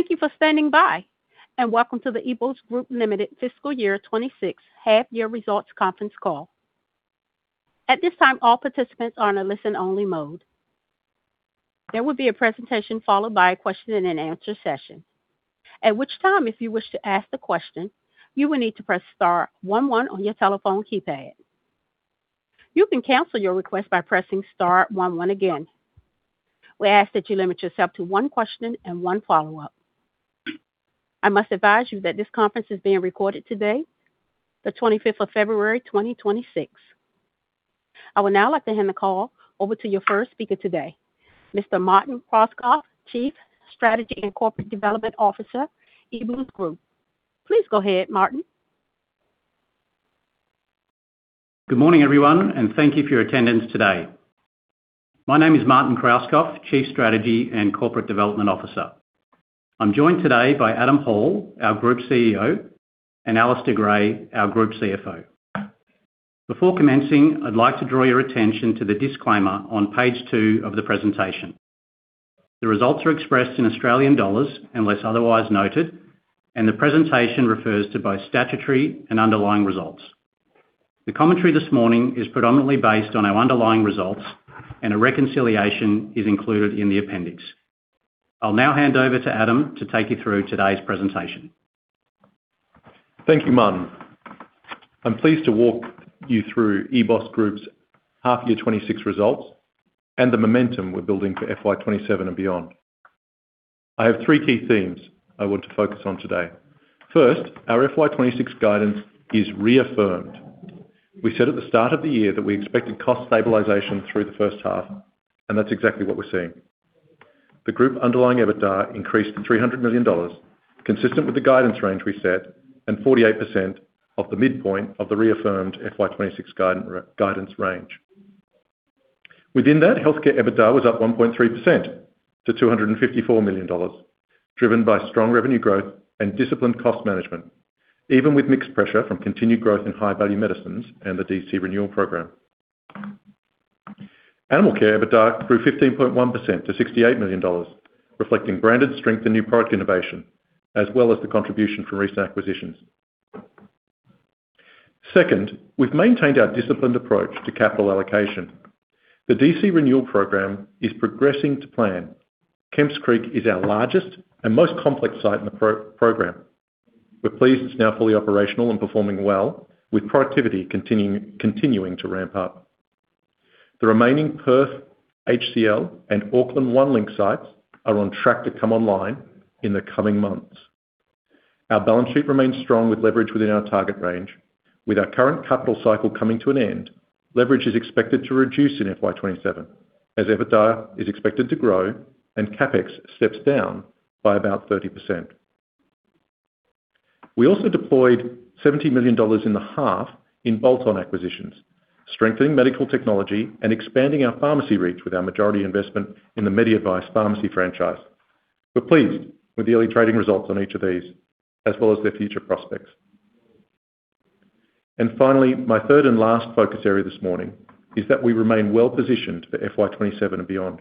Thank you for standing by. Welcome to the EBOS Group Limited Fiscal Year 2026 Half Year Results Conference Call. At this time, all participants are on a listen-only mode. There will be a presentation followed by a question-and-answer session, at which time, if you wish to ask the question, you will need to press star one one on your telephone keypad. You can cancel your request by pressing star one one again. I must advise you that this conference is being recorded today, the 25th of February, 2026. I would now like to hand the call over to your first speaker today, Mr. Martin Krauskopf, Chief Strategy and Corporate Development Officer, EBOS Group. Please go ahead, Martin. Good morning, everyone. Thank you for your attendance today. My name is Martin Krauskopf, Chief Strategy and Corporate Development Officer. I'm joined today by Adam Hall, our Group CEO, and Alistair Gray, our Group CFO. Before commencing, I'd like to draw your attention to the disclaimer on page two of the presentation. The results are expressed in Australian dollars, unless otherwise noted. The presentation refers to both statutory and underlying results. The commentary this morning is predominantly based on our underlying results. A reconciliation is included in the appendix. I'll now hand over to Adam to take you through today's presentation. Thank you, Martin. I'm pleased to walk you through EBOS Group's half year 2026 results and the momentum we're building for FY 2027 and beyond. I have three key themes I want to focus on today. First, our FY 2026 guidance is reaffirmed. We said at the start of the year that we expected cost stabilization through the first half, and that's exactly what we're seeing. The group underlying EBITDA increased to 300 million dollars, consistent with the guidance range we set, and 48% of the midpoint of the reaffirmed FY 2026 guidance range. Within that, Healthcare EBITDA was up 1.3% to 254 million dollars, driven by strong revenue growth and disciplined cost management, even with mixed pressure from continued growth in high-value medicines and the DC Renewal Program. Animal care EBITDA grew 15.1% to $68 million, reflecting branded strength and new product innovation, as well as the contribution from recent acquisitions. Second, we've maintained our disciplined approach to capital allocation. The DC Renewal Program is progressing to plan. Kemps Creek is our largest and most complex site in the program. We're pleased it's now fully operational and performing well, with productivity continuing to ramp up. The remaining Perth, HCL, and Auckland Onelink sites are on track to come online in the coming months. Our balance sheet remains strong with leverage within our target range. With our current capital cycle coming to an end, leverage is expected to reduce in FY 2027, as EBITDA is expected to grow and CapEx steps down by about 30%. We also deployed $70 million in the half in bolt-on acquisitions, strengthening Medical Technology and expanding our pharmacy reach with our majority investment in the MediAdvice pharmacy franchise. We're pleased with the early trading results on each of these, as well as their future prospects. Finally, my third and last focus area this morning is that we remain well-positioned for FY 2027 and beyond.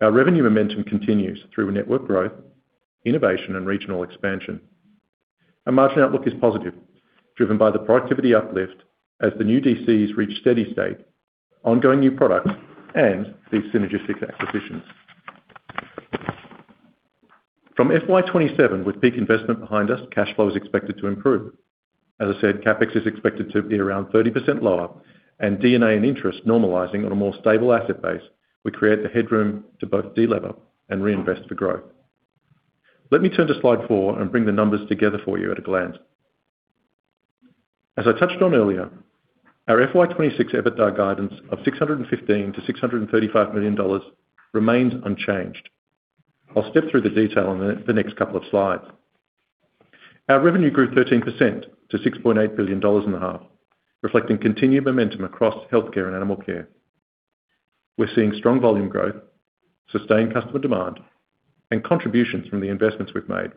Our revenue momentum continues through network growth, innovation, and regional expansion. Our margin outlook is positive, driven by the productivity uplift as the new DCs reach steady state, ongoing new products, and these synergistic acquisitions. From FY 2027, with peak investment behind us, cash flow is expected to improve. As I said, CapEx is expected to be around 30% lower, and D&A and interest normalizing on a more stable asset base will create the headroom to both delever and reinvest for growth. Let me turn to slide four and bring the numbers together for you at a glance. As I touched on earlier, our FY 2026 EBITDA guidance of 615 million-635 million dollars remains unchanged. I'll step through the detail on the next couple of slides. Our revenue grew 13% to 6.8 billion dollars in the half, reflecting continued momentum across Healthcare and Animal Care. We're seeing strong volume growth, sustained customer demand, and contributions from the investments we've made.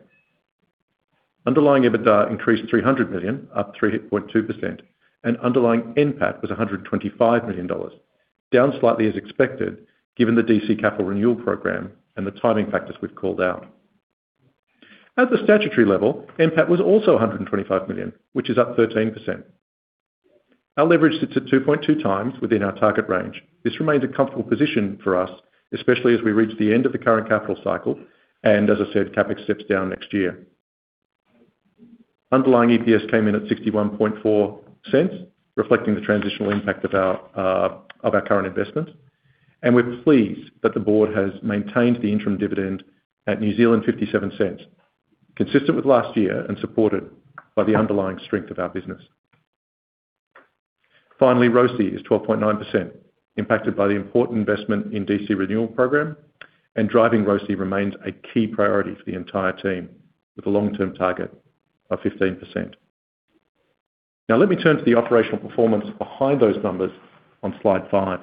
Underlying EBITDA increased 300 million, up 3.2%, and Underlying NPAT was 125 million dollars, down slightly as expected, given the DC Capital Renewal Program and the timing factors we've called out. At the statutory level, NPAT was also 125 million, which is up 13%. Our leverage sits at 2.2x within our target range. This remains a comfortable position for us, especially as we reach the end of the current capital cycle. As I said, CapEx steps down next year. Underlying EPS came in at 0.614, reflecting the transitional impact of our of our current investment. We're pleased that the board has maintained the interim dividend at 0.57, consistent with last year and supported by the underlying strength of our business. ROCE is 12.9%, impacted by the important investment in DC Renewal Program. Driving ROCE remains a key priority for the entire team, with a long-term target of 15%. Let me turn to the operational performance behind those numbers on slide five.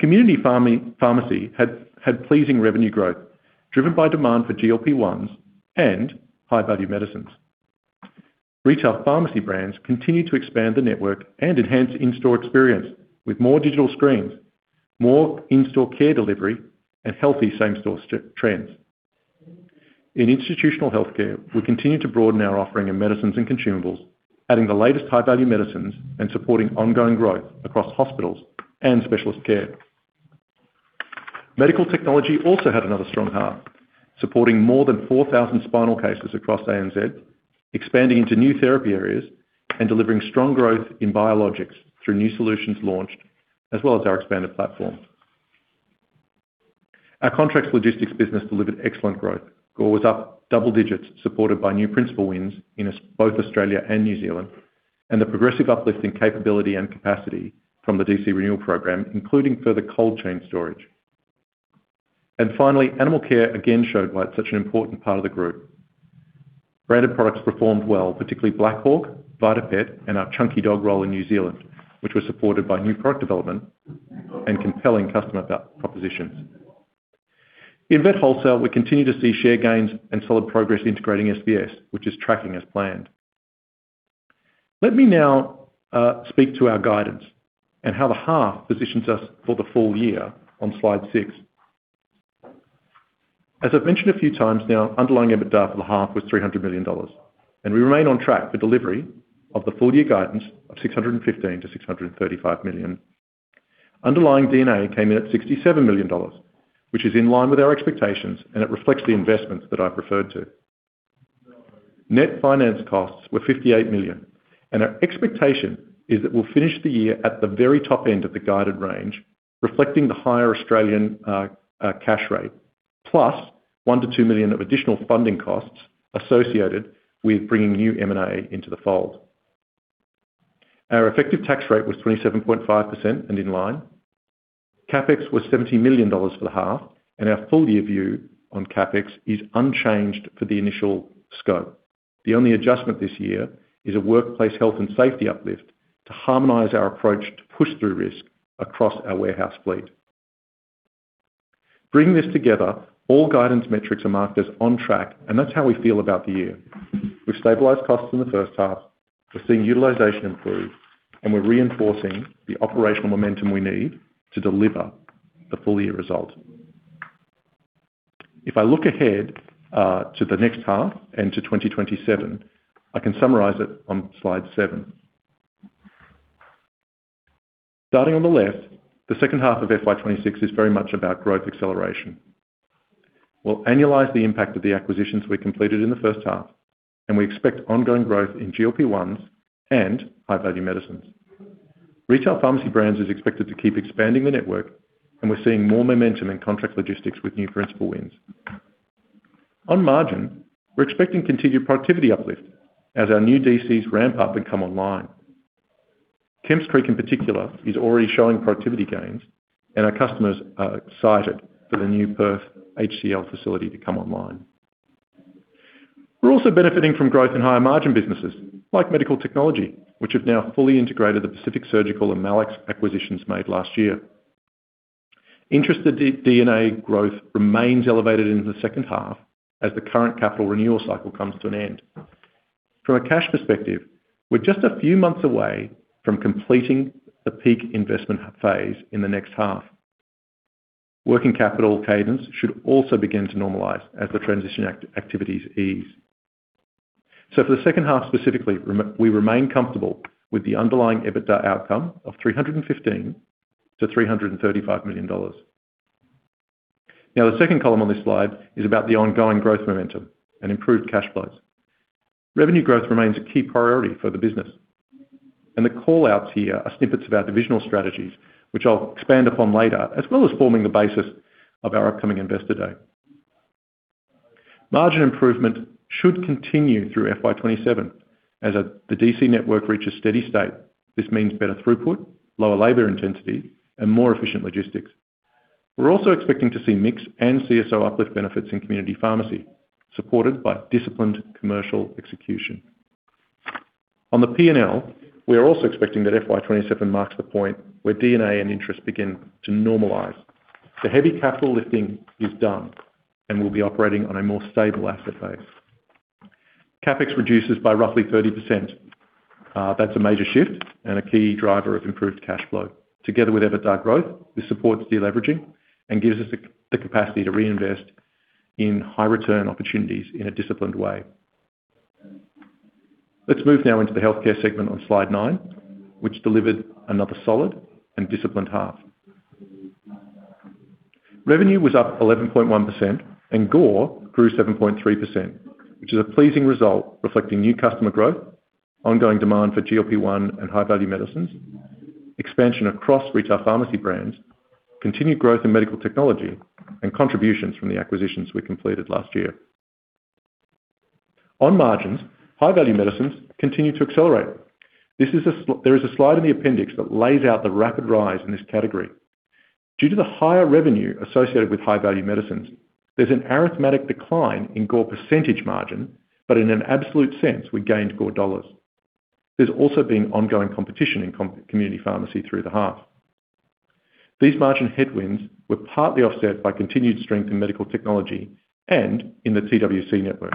Community Pharmacy had pleasing revenue growth, driven by demand for GLP-1s and high-value medicines. Retail Pharmacy Brands continue to expand the network and enhance in-store experience, with more digital screens, more in-store care delivery, and healthy same-store trends. In Institutional Healthcare, we continue to broaden our offering in medicines and consumables, adding the latest high-value medicines and supporting ongoing growth across hospitals and specialist care. Medical Technology also had another strong half, supporting more than 4,000 spinal cases across ANZ, expanding into new therapy areas, and delivering strong growth in biologics through new solutions launched, as well as our expanded platform. Our Contracts Logistics business delivered excellent growth. GOR was up double digits, supported by new principal wins in both Australia and New Zealand, and the progressive uplift in capability and capacity from the DC Renewal Program, including further cold chain storage. Finally, Animal Care again showed why it's such an important part of the group. Branded products performed well, particularly Black Hawk, VitaPet, and our Chunky Dog Roll in New Zealand, which was supported by new product development and compelling customer val- propositions. In Vet Wholesale, we continue to see share gains and solid progress integrating SVS, which is tracking as planned. Let me now speak to our guidance and how the half positions us for the full year on slide six. As I've mentioned a few times now, Underlying EBITDA for the half was 300 million dollars, and we remain on track for delivery of the full year guidance of 615 million-635 million. Underlying D&A came in at 67 million dollars, which is in line with our expectations, and it reflects the investments that I've referred to. Net finance costs were 58 million. Our expectation is that we'll finish the year at the very top end of the guided range, reflecting the higher Australian cash rate, plus 1 million-2 million of additional funding costs associated with bringing new M&A into the fold. Our effective tax rate was 27.5%. In line. CapEx was 70 million dollars for the half. Our full year view on CapEx is unchanged for the initial scope. The only adjustment this year is a Workplace Health and Safety uplift to harmonize our approach to push through risk across our warehouse fleet. Bringing this together, all guidance metrics are marked as on track. That's how we feel about the year. We've stabilized costs in the first half, we're seeing utilization improve. We're reinforcing the operational momentum we need to deliver the full year result. If I look ahead to the next half and to 2027, I can summarize it on slide seven. Starting on the left, the second half of FY 2026 is very much about growth acceleration. We'll annualize the impact of the acquisitions we completed in the first half, and we expect ongoing growth in GLP-1s and high-value medicines. Retail Pharmacy Brands is expected to keep expanding the network, and we're seeing more momentum in Contract Logistics with new principal wins. On margin, we're expecting continued productivity uplift as our new DCs ramp up and come online. Kemps Creek, in particular, is already showing productivity gains, and our customers are excited for the new Perth HCL facility to come online. We're also benefiting from growth in higher margin businesses like Medical Technology, which have now fully integrated the Pacific Surgical and Mallex acquisitions made last year. Interest and D&A growth remains elevated into the second half as the current capital renewal cycle comes to an end. From a cash perspective, we're just a few months away from completing the peak investment phase in the next half. Working capital cadence should also begin to normalize as the transition activities ease. For the second half, specifically, we remain comfortable with the Underlying EBITDA outcome of 315 million-335 million dollars. The second column on this slide is about the ongoing growth momentum and improved cash flows. Revenue growth remains a key priority for the business, the call-outs here are snippets of our divisional strategies, which I'll expand upon later, as well as forming the basis of our upcoming Investor Day. Margin improvement should continue through FY 2027 as the DC network reaches steady state. This means better throughput, lower labor intensity, and more efficient logistics. We're also expecting to see mix and CSO uplift benefits in Community Pharmacy, supported by disciplined commercial execution. On the P&L, we are also expecting that FY 2027 marks the point where D&A and interest begin to normalize. The heavy capital lifting is done, and we'll be operating on a more stable asset base. CapEx reduces by roughly 30%. That's a major shift and a key driver of improved cash flow. Together with EBITDA growth, this supports deleveraging and gives us the capacity to reinvest in high return opportunities in a disciplined way. Let's move now into the healthcare segment on slide nine, which delivered another solid and disciplined half. Revenue was up 11.1%. GOR grew 7.3%, which is a pleasing result, reflecting new customer growth, ongoing demand for GLP-1 and high-value medicines, expansion across Retail Pharmacy Brands, continued growth in Medical Technology, and contributions from the acquisitions we completed last year. On margins, high-value medicines continue to accelerate. There is a slide in the appendix that lays out the rapid rise in this category. Due to the higher revenue associated with high-value medicines, there's an arithmetic decline in GOR percentage margin, but in an absolute sense, we gained GOR dollars. There's also been ongoing competition in Community Pharmacy through the half. These margin headwinds were partly offset by continued strength in Medical Technology and in the TWC network.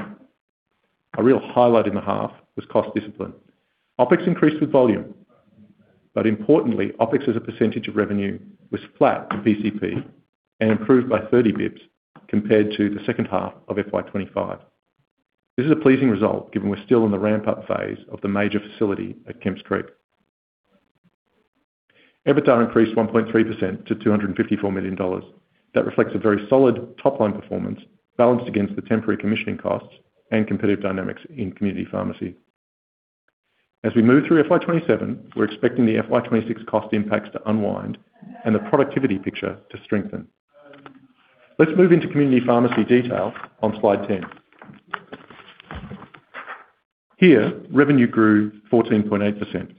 A real highlight in the half was cost discipline. OpEx increased with volume, but importantly, OpEx as a percentage of revenue, was flat to PCP and improved by 30 basis points compared to the second half of FY 2025. This is a pleasing result, given we're still in the ramp-up phase of the major facility at Kemps Creek. EBITDA increased 1.3% to $254 million. That reflects a very solid top-line performance, balanced against the temporary commissioning costs and competitive dynamics in Community Pharmacy. As we move through FY 2027, we're expecting the FY 2026 cost impacts to unwind and the productivity picture to strengthen. Let's move into Community Pharmacy details on slide 10. Here, revenue grew 14.8%,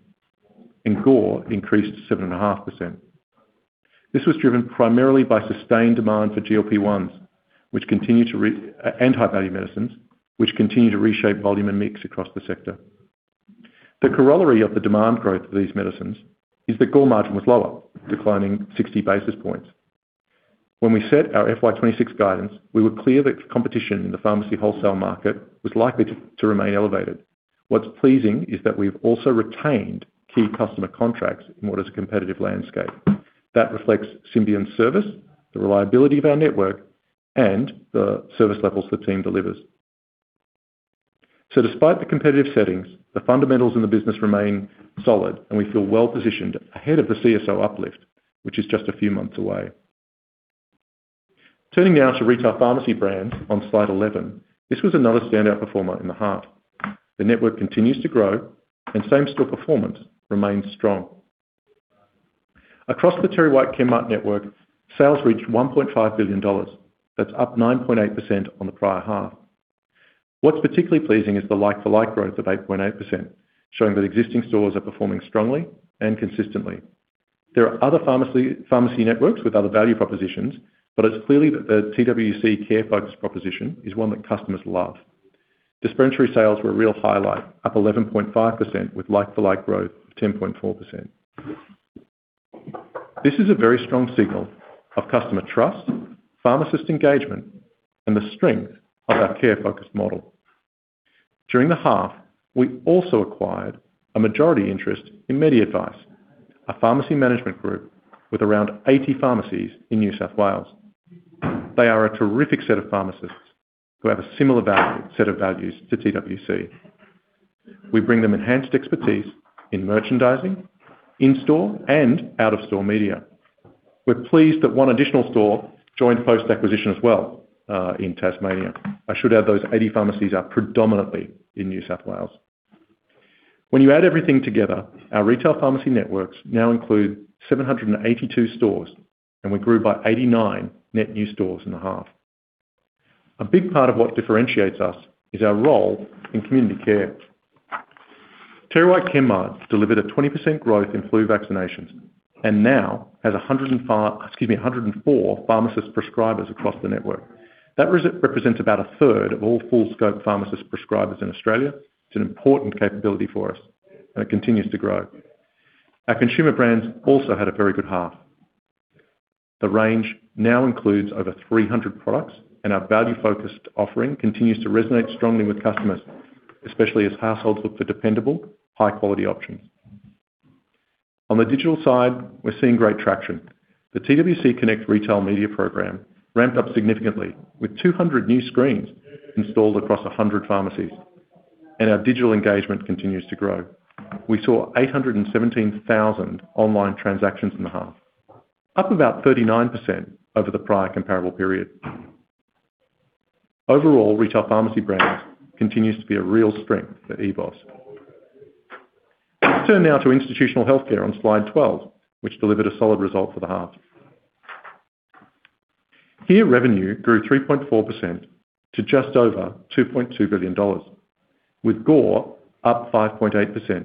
and GOR increased 7.5%. This was driven primarily by sustained demand for GLP-1s, which continue and high-value medicines, which continue to reshape volume and mix across the sector. The corollary of the demand growth of these medicines is that GOR margin was lower, declining 60 basis points. When we set our FY 2026 guidance, we were clear that competition in the Pharmacy Wholesale market was likely to remain elevated. What's pleasing is that we've also retained key customer contracts in what is a competitive landscape. That reflects Symbion's service, the reliability of our network, and the service levels the team delivers. Despite the competitive settings, the fundamentals in the business remain solid, and we feel well positioned ahead of the CSO uplift, which is just a few months away. Turning now to Retail Pharmacy Brands on slide 11. This was another standout performer in the half. The network continues to grow, and same-store performance remains strong. Across the TerryWhite Chemmart network, sales reached $1.5 billion. That's up 9.8% on the prior half. What's particularly pleasing is the like-for-like growth of 8.8%, showing that existing stores are performing strongly and consistently. There are other pharmacy networks with other value propositions, it's clearly that the TWC care focus proposition is one that customers love. Dispensary sales were a real highlight, up 11.5%, with like-for-like growth of 10.4%. This is a very strong signal of customer trust, pharmacist engagement, and the strength of our care-focused model. During the half, we also acquired a majority interest in MediAdvice, a pharmacy management group with around 80 pharmacies in New South Wales. They are a terrific set of pharmacists who have a similar value, set of values to TWC. We bring them enhanced expertise in merchandising, in-store, and out-of-store media. We're pleased that one additional store joined post-acquisition as well, in Tasmania. I should add, those 80 pharmacies are predominantly in New South Wales. You add everything together, our retail pharmacy networks now include 782 stores, and we grew by 89 net new stores in the half. A big part of what differentiates us is our role in community care. TerryWhite Chemmart delivered a 20% growth in flu vaccinations and now has 105, excuse me, 104 pharmacist prescribers across the network. That represents about a 1/3 of all full-scope pharmacist prescribers in Australia. It's an important capability for us, and it continues to grow. Our consumer brands also had a very good half. The range now includes over 300 products. Our value-focused offering continues to resonate strongly with customers, especially as households look for dependable, high-quality options. On the digital side, we're seeing great traction. The TWC Connect retail media program ramped up significantly, with 200 new screens installed across 100 pharmacies. Our digital engagement continues to grow. We saw 817,000 online transactions in the half, up about 39% over the prior comparable period. Overall, retail pharmacy brands continues to be a real strength for EBOS Group. Let's turn now to Institutional Healthcare on slide 12, which delivered a solid result for the half. Here, revenue grew 3.4% to just over 2.2 billion dollars, with GOR up 5.8%.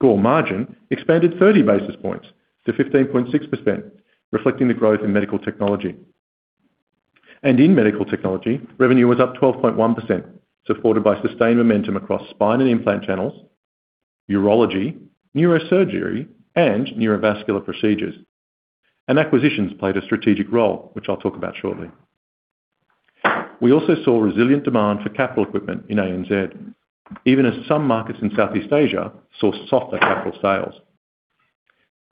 GOR margin expanded 30 basis points to 15.6%, reflecting the growth in Medical Technology. In Medical Technology, revenue was up 12.1%, supported by sustained momentum across spine and implant channels, urology, neurosurgery, and neurovascular procedures. Acquisitions played a strategic role, which I'll talk about shortly. We also saw resilient demand for capital equipment in ANZ, even as some markets in Southeast Asia saw softer capital sales.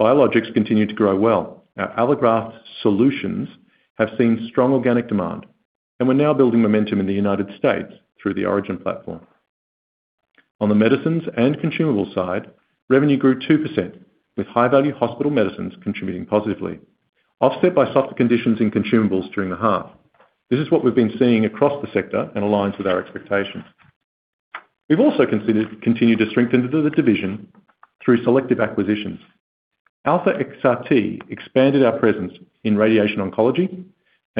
Biologics continued to grow well. Our allograft solutions have seen strong organic demand, and we're now building momentum in the United States through the Origin platform. On the medicines and consumables side, revenue grew 2%, with high-value hospital medicines contributing positively, offset by softer conditions in consumables during the half. This is what we've been seeing across the sector and aligns with our expectations. We've also continued to strengthen the division through selective acquisitions. alphaXRT expanded our presence in radiation oncology.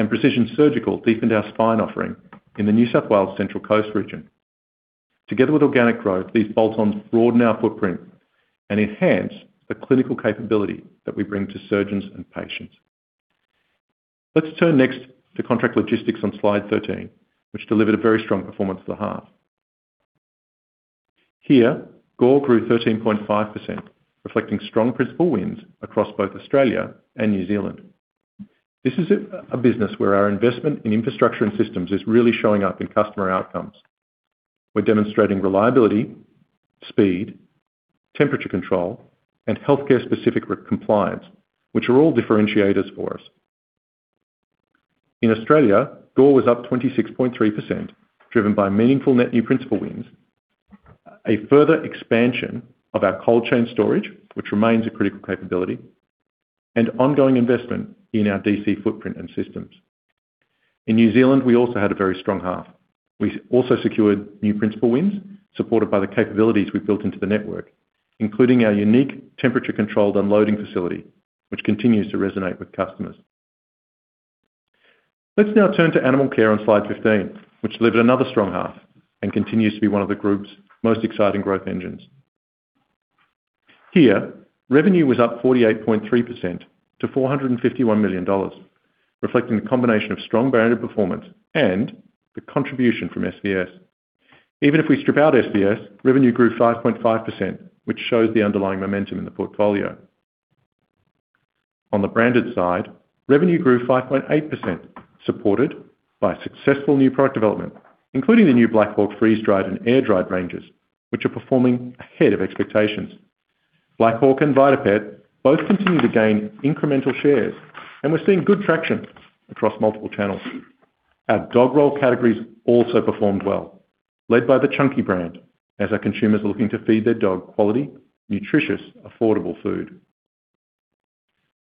Precision Surgical deepened our spine offering in the New South Wales Central Coast region. Together with organic growth, these bolt-ons broaden our footprint and enhance the clinical capability that we bring to surgeons and patients. Let's turn next to Contract Logistics on slide 13, which delivered a very strong performance for the half. Here, GOR grew 13.5%, reflecting strong principal wins across both Australia and New Zealand. This is a business where our investment in infrastructure and systems is really showing up in customer outcomes. We're demonstrating reliability, speed, temperature control, and healthcare specific compliance, which are all differentiators for us. In Australia, GOR was up 26.3%, driven by meaningful net new principal wins, a further expansion of our cold chain storage, which remains a critical capability, and ongoing investment in our DC footprint and systems. In New Zealand, we also had a very strong half. We also secured new principal wins, supported by the capabilities we've built into the network, including our unique temperature-controlled unloading facility, which continues to resonate with customers. Let's now turn to Animal Care on slide 15, which delivered another strong half and continues to be one of the Group's most exciting growth engines. Here, revenue was up 48.3% to 451 million dollars, reflecting the combination of strong branded performance and the contribution from SVS. Even if we strip out SVS, revenue grew 5.5%, which shows the underlying momentum in the portfolio. On the branded side, revenue grew 5.8%, supported by successful new product development, including the new Black Hawk freeze-dried and air-dried ranges, which are performing ahead of expectations. Black Hawk and VitaPet both continue to gain incremental shares, and we're seeing good traction across multiple channels. Our dog roll categories also performed well, led by the Chunky brand, as our consumers are looking to feed their dog quality, nutritious, affordable food.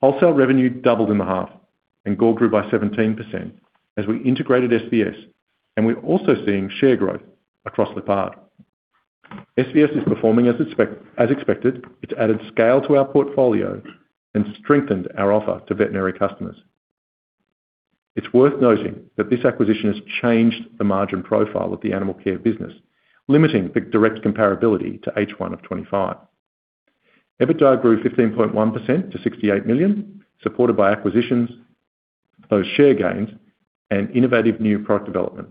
Wholesale revenue doubled in the half, and GOR grew by 17% as we integrated SVS, and we're also seeing share growth across the part. SVS is performing as expected. It's added scale to our portfolio and strengthened our offer to veterinary customers. It's worth noting that this acquisition has changed the margin profile of the Animal Care business, limiting the direct comparability to H1 of 2025. EBITDA grew 15.1% to 68 million, supported by acquisitions, those share gains and innovative new product development,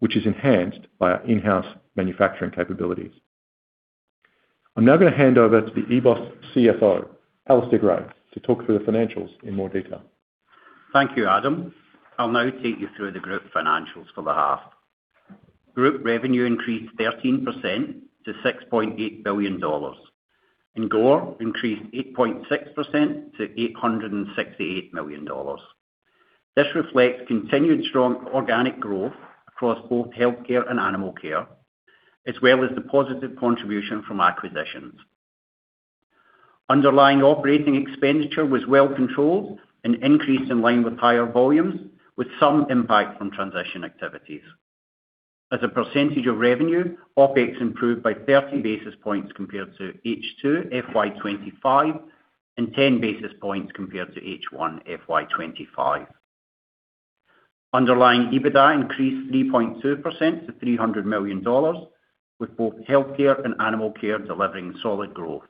which is enhanced by our in-house manufacturing capabilities. I'm now going to hand over to the EBOS CFO, Alistair Gray, to talk through the financials in more detail. Thank you, Adam. I'll now take you through the group financials for the half. Group revenue increased 13% to 6.8 billion dollars, and GOR increased 8.6% to 868 million dollars. This reflects continued strong organic growth across both Healthcare and Animal Care, as well as the positive contribution from acquisitions. Underlying operating expenditure was well controlled and increased in line with higher volumes, with some impact from transition activities. As a percentage of revenue, OpEx improved by 30 basis points compared to H2 FY25, and 10 basis points compared to H1 FY25. Underlying EBITDA increased 3.2% to 300 million dollars, with both Healthcare and Animal Care delivering solid growth.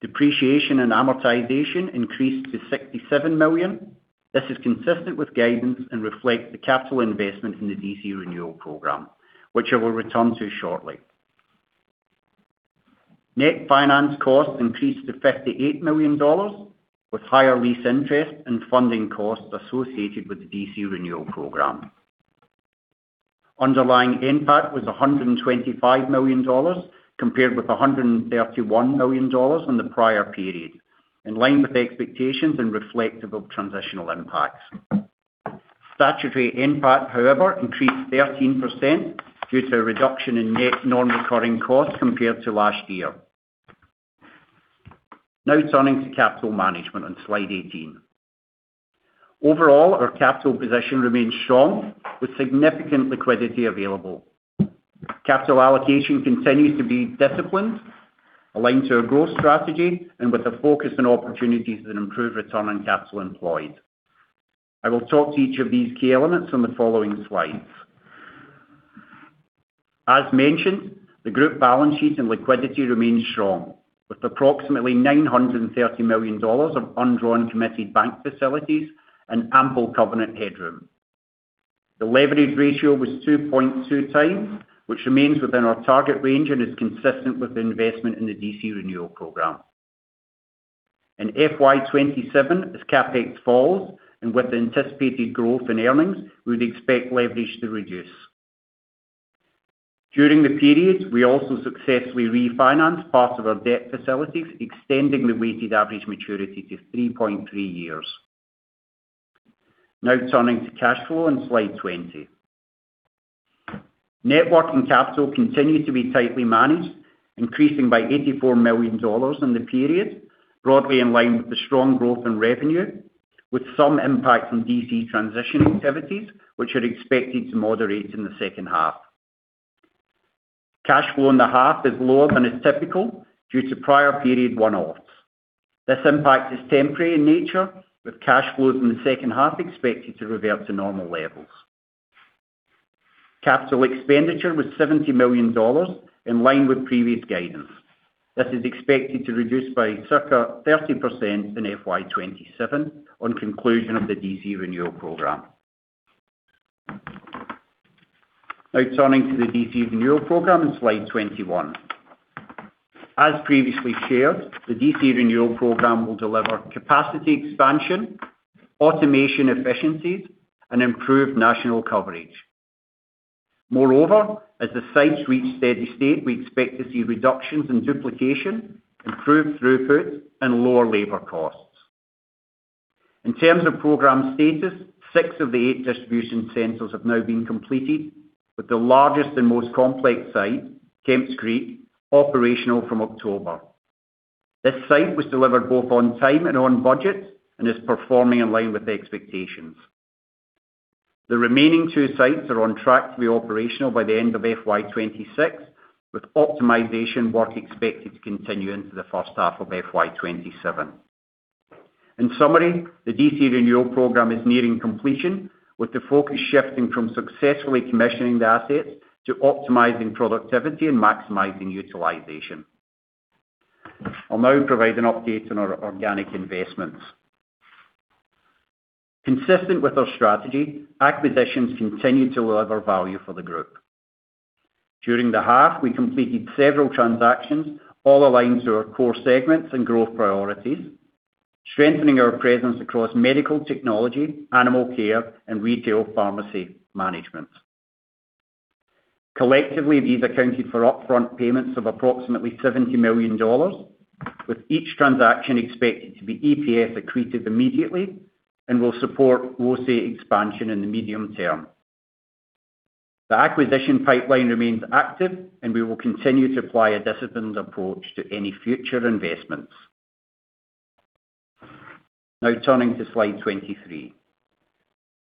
Depreciation and amortization increased to 67 million. This is consistent with guidance and reflects the capital investment in the DC renewal program, which I will return to shortly. Net finance costs increased to 58 million dollars, with higher lease interest and funding costs associated with the DC renewal program. Underlying NPAT was 125 million dollars, compared with 131 million dollars in the prior period, in line with expectations and reflective of transitional impacts. Statutory NPAT, however, increased 13% due to a reduction in net non-recurring costs compared to last year. Turning to capital management on slide 18. Overall, our capital position remains strong, with significant liquidity available. Capital allocation continues to be disciplined, aligned to our growth strategy, and with a focus on opportunities that improve return on capital employed. I will talk to each of these key elements on the following slides. As mentioned, the group balance sheet and liquidity remains strong, with approximately 930 million dollars of undrawn committed bank facilities and ample covenant headroom. The leverage ratio was 2.2x, which remains within our target range and is consistent with the investment in the DC Renewal Program. In FY 2027, as CapEx falls and with the anticipated growth in earnings, we'd expect leverage to reduce. During the period, we also successfully refinanced part of our debt facilities, extending the weighted average maturity to 3.3 years. Turning to cash flow on slide 20. Net working capital continued to be tightly managed, increasing by 84 million dollars in the period, broadly in line with the strong growth in revenue, with some impact from DC transition activities, which are expected to moderate in the second half. Cash flow in the half is lower than is typical due to prior period one-offs. This impact is temporary in nature, with cash flows in the second half expected to revert to normal levels. CapEx was 70 million dollars, in line with previous guidance. This is expected to reduce by circa 13% in FY27 on conclusion of the DC Renewal Program. Turning to the DC Renewal Program on slide 21. As previously shared, the DC Renewal Program will deliver capacity expansion, automation efficiencies, and improved national coverage. Moreover, as the sites reach steady state, we expect to see reductions in duplication, improved throughput, and lower labor costs. In terms of program status, six of the eight distribution centers have now been completed, with the largest and most complex site, Kemps Creek, operational from October. This site was delivered both on time and on budget, and is performing in line with expectations. The remaining two sites are on track to be operational by the end of FY 2026, with optimization work expected to continue into the first half of FY 2027. In summary, the DC Renewal Program is nearing completion, with the focus shifting from successfully commissioning the assets to optimizing productivity and maximizing utilization. I'll now provide an update on our organic investments. Consistent with our strategy, acquisitions continue to deliver value for the group. During the half, we completed several transactions, all aligned to our core segments and growth priorities, strengthening our presence across Medical Technology, Animal Care, and Retail Pharmacy Management. Collectively, these accounted for upfront payments of approximately 70 million dollars, with each transaction expected to be EPS accretive immediately, and will support OSIE expansion in the medium term. The acquisition pipeline remains active. We will continue to apply a disciplined approach to any future investments. Now turning to slide 23.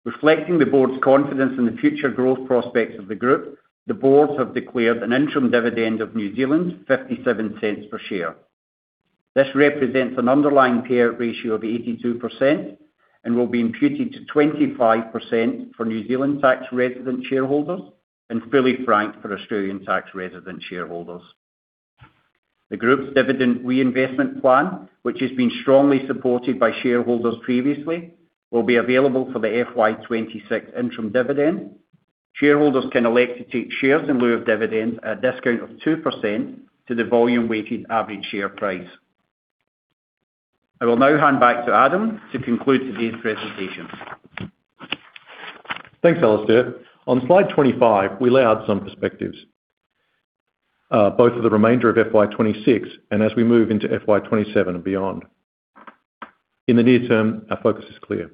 Reflecting the Board's confidence in the future growth prospects of the group, the boards have declared an interim dividend of 0.57 per share. This represents an underlying payout ratio of 82% and will be imputed to 25% for New Zealand tax resident shareholders, and fully franked for Australian tax resident shareholders. The group's dividend reinvestment plan, which has been strongly supported by shareholders previously, will be available for the FY 2026 interim dividend. Shareholders can elect to take shares in lieu of dividends at a discount of 2% to the volume-weighted average share price. I will now hand back to Adam to conclude today's presentation. Thanks, Alistair. On slide 25, we lay out some perspectives, both for the remainder of FY 2026 and as we move into FY 2027 and beyond. In the near term, our focus is clear.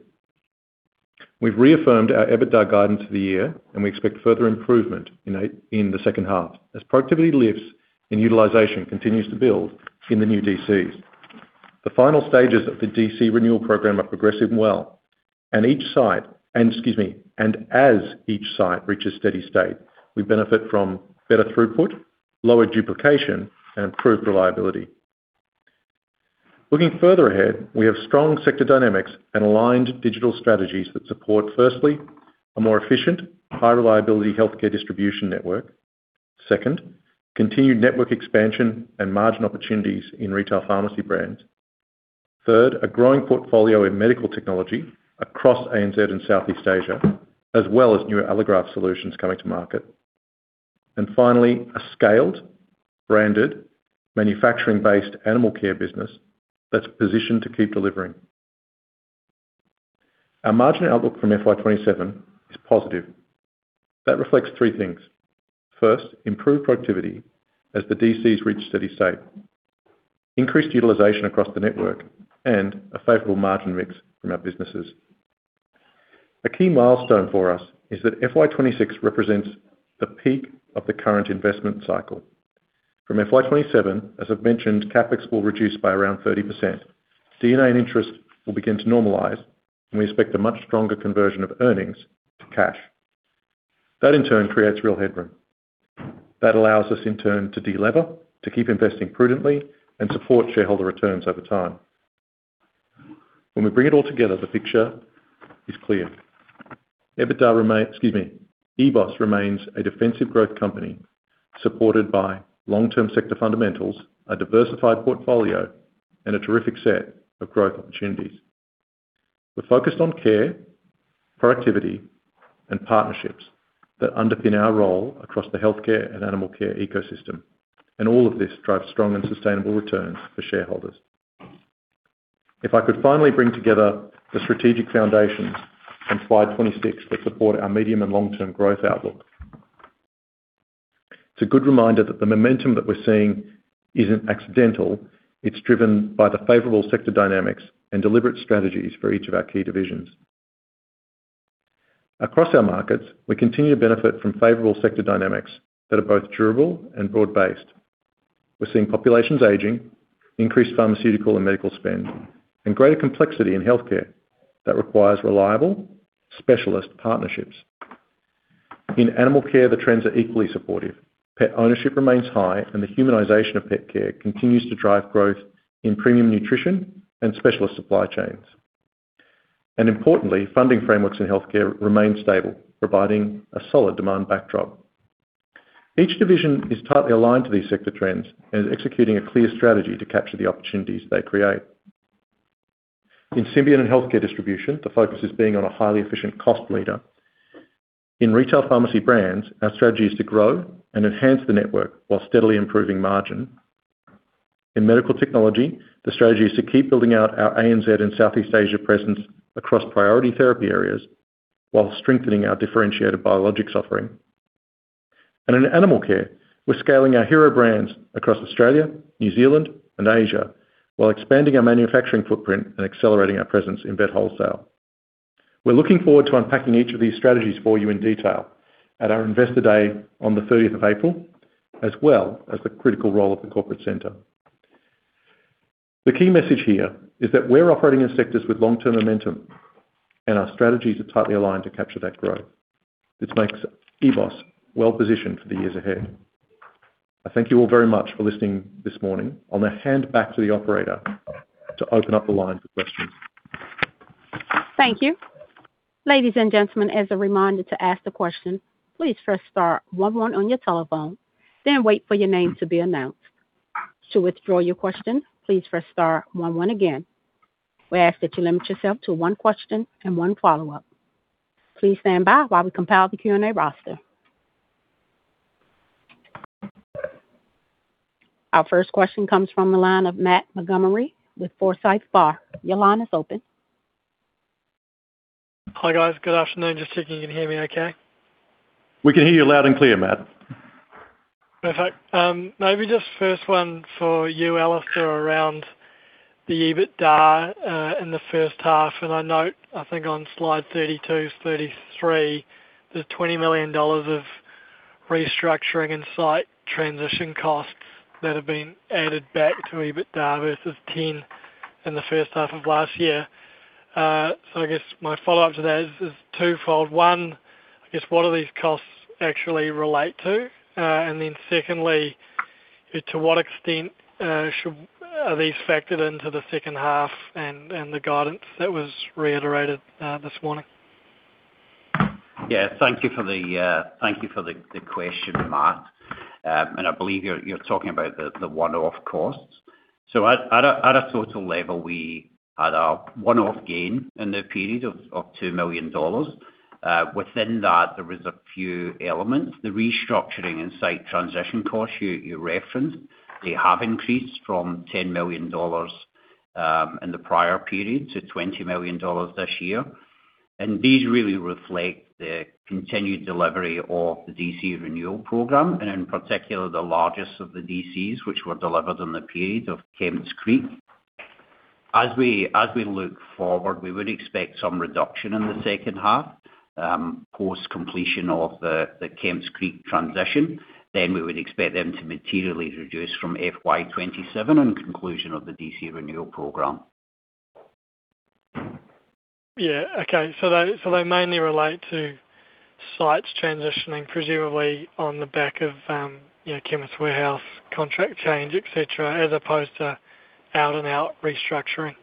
We've reaffirmed our EBITDA guidance for the year, and we expect further improvement in the second half, as productivity lifts and utilization continues to build in the new DCs. The final stages of the DC renewal program are progressing well, and as each site reaches steady state, we benefit from better throughput, lower duplication, and improved reliability. Looking further ahead, we have strong sector dynamics and aligned digital strategies that support, firstly, a more efficient, high reliability healthcare distribution network. Second, continued network expansion and margin opportunities in retail pharmacy brands. Third, a growing portfolio in Medical Technology across ANZ and Southeast Asia, as well as newer allograft solutions coming to market. Finally, a scaled, branded, manufacturing-based Animal Care business that's positioned to keep delivering. Our margin outlook from FY 2027 is positive. That reflects three things: First, improved productivity as the DCs reach steady state, increased utilization across the network, and a favorable margin mix from our businesses. A key milestone for us is that FY 2026 represents the peak of the current investment cycle. From FY 2027, as I've mentioned, CapEx will reduce by around 30%. D&A and interest will begin to normalize, and we expect a much stronger conversion of earnings to cash. That, in turn, creates real headroom. That allows us, in turn, to delever, to keep investing prudently, and support shareholder returns over time. When we bring it all together, the picture is clear. EBITDA excuse me, EBOS remains a defensive growth company, supported by long-term sector fundamentals, a diversified portfolio, and a terrific set of growth opportunities. We're focused on care, productivity, and partnerships that underpin our role across the Healthcare and Animal Care ecosystem, and all of this drives strong and sustainable returns for shareholders. If I could finally bring together the strategic foundations on slide 26 that support our medium and long-term growth outlook. It's a good reminder that the momentum that we're seeing isn't accidental, it's driven by the favorable sector dynamics and deliberate strategies for each of our key divisions. Across our markets, we continue to benefit from favorable sector dynamics that are both durable and broad-based. We're seeing populations aging, increased pharmaceutical and medical spend, and greater complexity in healthcare that requires reliable specialist partnerships. In Animal Care, the trends are equally supportive. Pet ownership remains high, and the humanization of pet care continues to drive growth in premium nutrition and specialist supply chains. Importantly, funding frameworks in healthcare remain stable, providing a solid demand backdrop. Each division is tightly aligned to these sector trends and is executing a clear strategy to capture the opportunities they create. In Symbion and Healthcare Distribution, the focus is being on a highly efficient cost leader. In Retail Pharmacy Brands, our strategy is to grow and enhance the network while steadily improving margin. In Medical Technology, the strategy is to keep building out our ANZ and Southeast Asia presence across priority therapy areas while strengthening our differentiated biologics offering. In Animal Care, we're scaling our hero brands across Australia, New Zealand, and Asia, while expanding our manufacturing footprint and accelerating our presence in vet wholesale. We're looking forward to unpacking each of these strategies for you in detail at our Investor Day on the 30th April, as well as the critical role of the corporate center. The key message here is that we're operating in sectors with long-term momentum, and our strategies are tightly aligned to capture that growth, which makes EBOS well-positioned for the years ahead. I thank you all very much for listening this morning. I'll now hand back to the operator to open up the line for questions. Thank you. Ladies and gentlemen, as a reminder to ask the question, please press star one one on your telephone, then wait for your name to be announced. To withdraw your question, please press star one one again. We ask that you limit yourself to one question and one follow-up. Please stand by while we compile the Q&A roster. Our first question comes from the line of Matt Montgomerie with Forsyth Barr. Your line is open. Hi, guys. Good afternoon. Just checking you can hear me okay? We can hear you loud and clear, Matt. Perfect. Maybe just first one for you, Alistair, around the EBITDA, in the first half, and I note, I think on slide 32, 33, the 20 million dollars of restructuring and site transition costs that have been added back to EBITDA versus 10 in the first half of last year. I guess my follow-up to that is twofold. One, I guess, what are these costs actually relate to? Secondly, to what extent are these factored into the second half and the guidance that was reiterated this morning? Yeah, thank you for the question, Matt. I believe you're talking about the one-off costs. At a total level, we had a one-off gain in the period of 2 million dollars. Within that, there was a few elements. The restructuring and site transition costs you referenced, they have increased from 10 million dollars in the prior period to 20 million dollars this year. These really reflect the continued delivery of the DC Renewal Program, and in particular, the largest of the DCs, which were delivered in the period of Kemps Creek. As we look forward, we would expect some reduction in the second half, post completion of the Kemps Creek transition. We would expect them to materially reduce from FY 2027 on conclusion of the DC Renewal Program. Yeah. Okay. They mainly relate to sites transitioning presumably on the back of, you know, Chemist Warehouse contract change, et cetera, as opposed to out and out restructuring.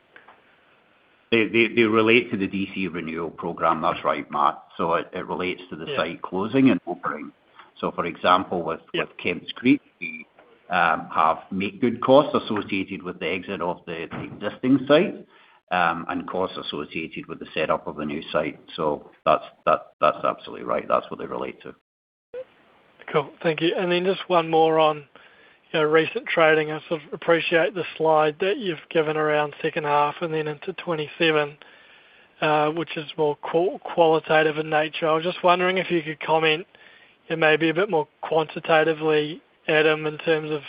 They relate to the DC Renewal Program. That's right, Matt. It relates to the- Yeah site closing and opening. For example, with- Yeah -with Kemps Creek, we have make good costs associated with the exit of the existing site, and costs associated with the setup of the new site. That's absolutely right. That's what they relate to. Cool. Thank you. Just one more on, you know, recent trading. I sort of appreciate the slide that you've given around second half and then into 2027, which is more qualitative in nature. I was just wondering if you could comment, and maybe a bit more quantitatively, Adam, in terms of,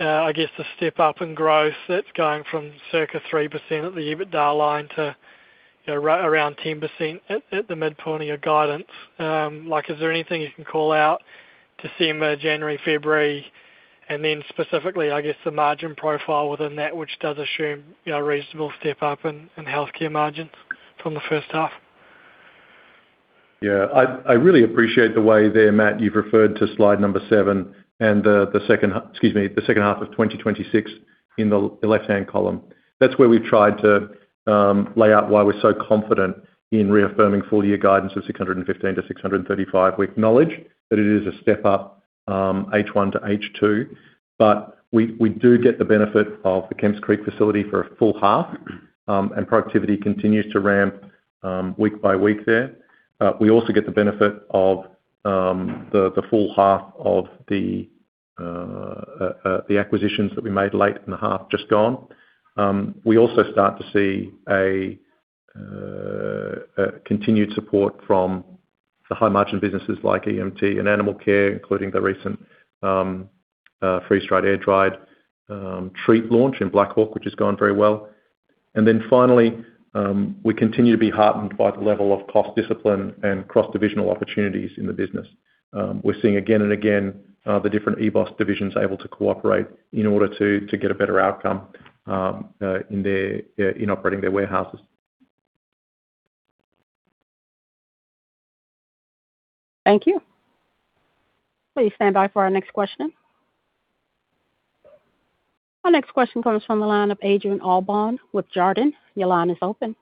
I guess, the step up in growth that's going from circa 3% at the EBITDA line to, you know, around 10% at the midpoint of your guidance. Like, is there anything you can call out, December, January, February? Specifically, I guess, the margin profile within that, which does assume, you know, a reasonable step up in healthcare margins from the first half. I really appreciate the way there, Matt, you've referred to slide number seven and the second half of 2026 in the left-hand column. That's where we've tried to lay out why we're so confident in reaffirming full year guidance of 615-635. We acknowledge that it is a step up H1 to H2, but we do get the benefit of the Kemps Creek facility for a full half, and productivity continues to ramp week by week there. We also get the benefit of the full half of the acquisitions that we made late in the half just gone. We also start to see a continued support from the high-margin businesses like EMT and Animal Care, including the recent freeze-dried, air-dried treat launch in Black Hawk, which has gone very well. Finally, we continue to be heartened by the level of cost discipline and cross-divisional opportunities in the business. We're seeing again and again, the different EBOS divisions able to cooperate in order to get a better outcome in their in operating their warehouses. Thank you. Please stand by for our next question. Our next question comes from the line of Adrian Allbon with Jarden. Your line is open.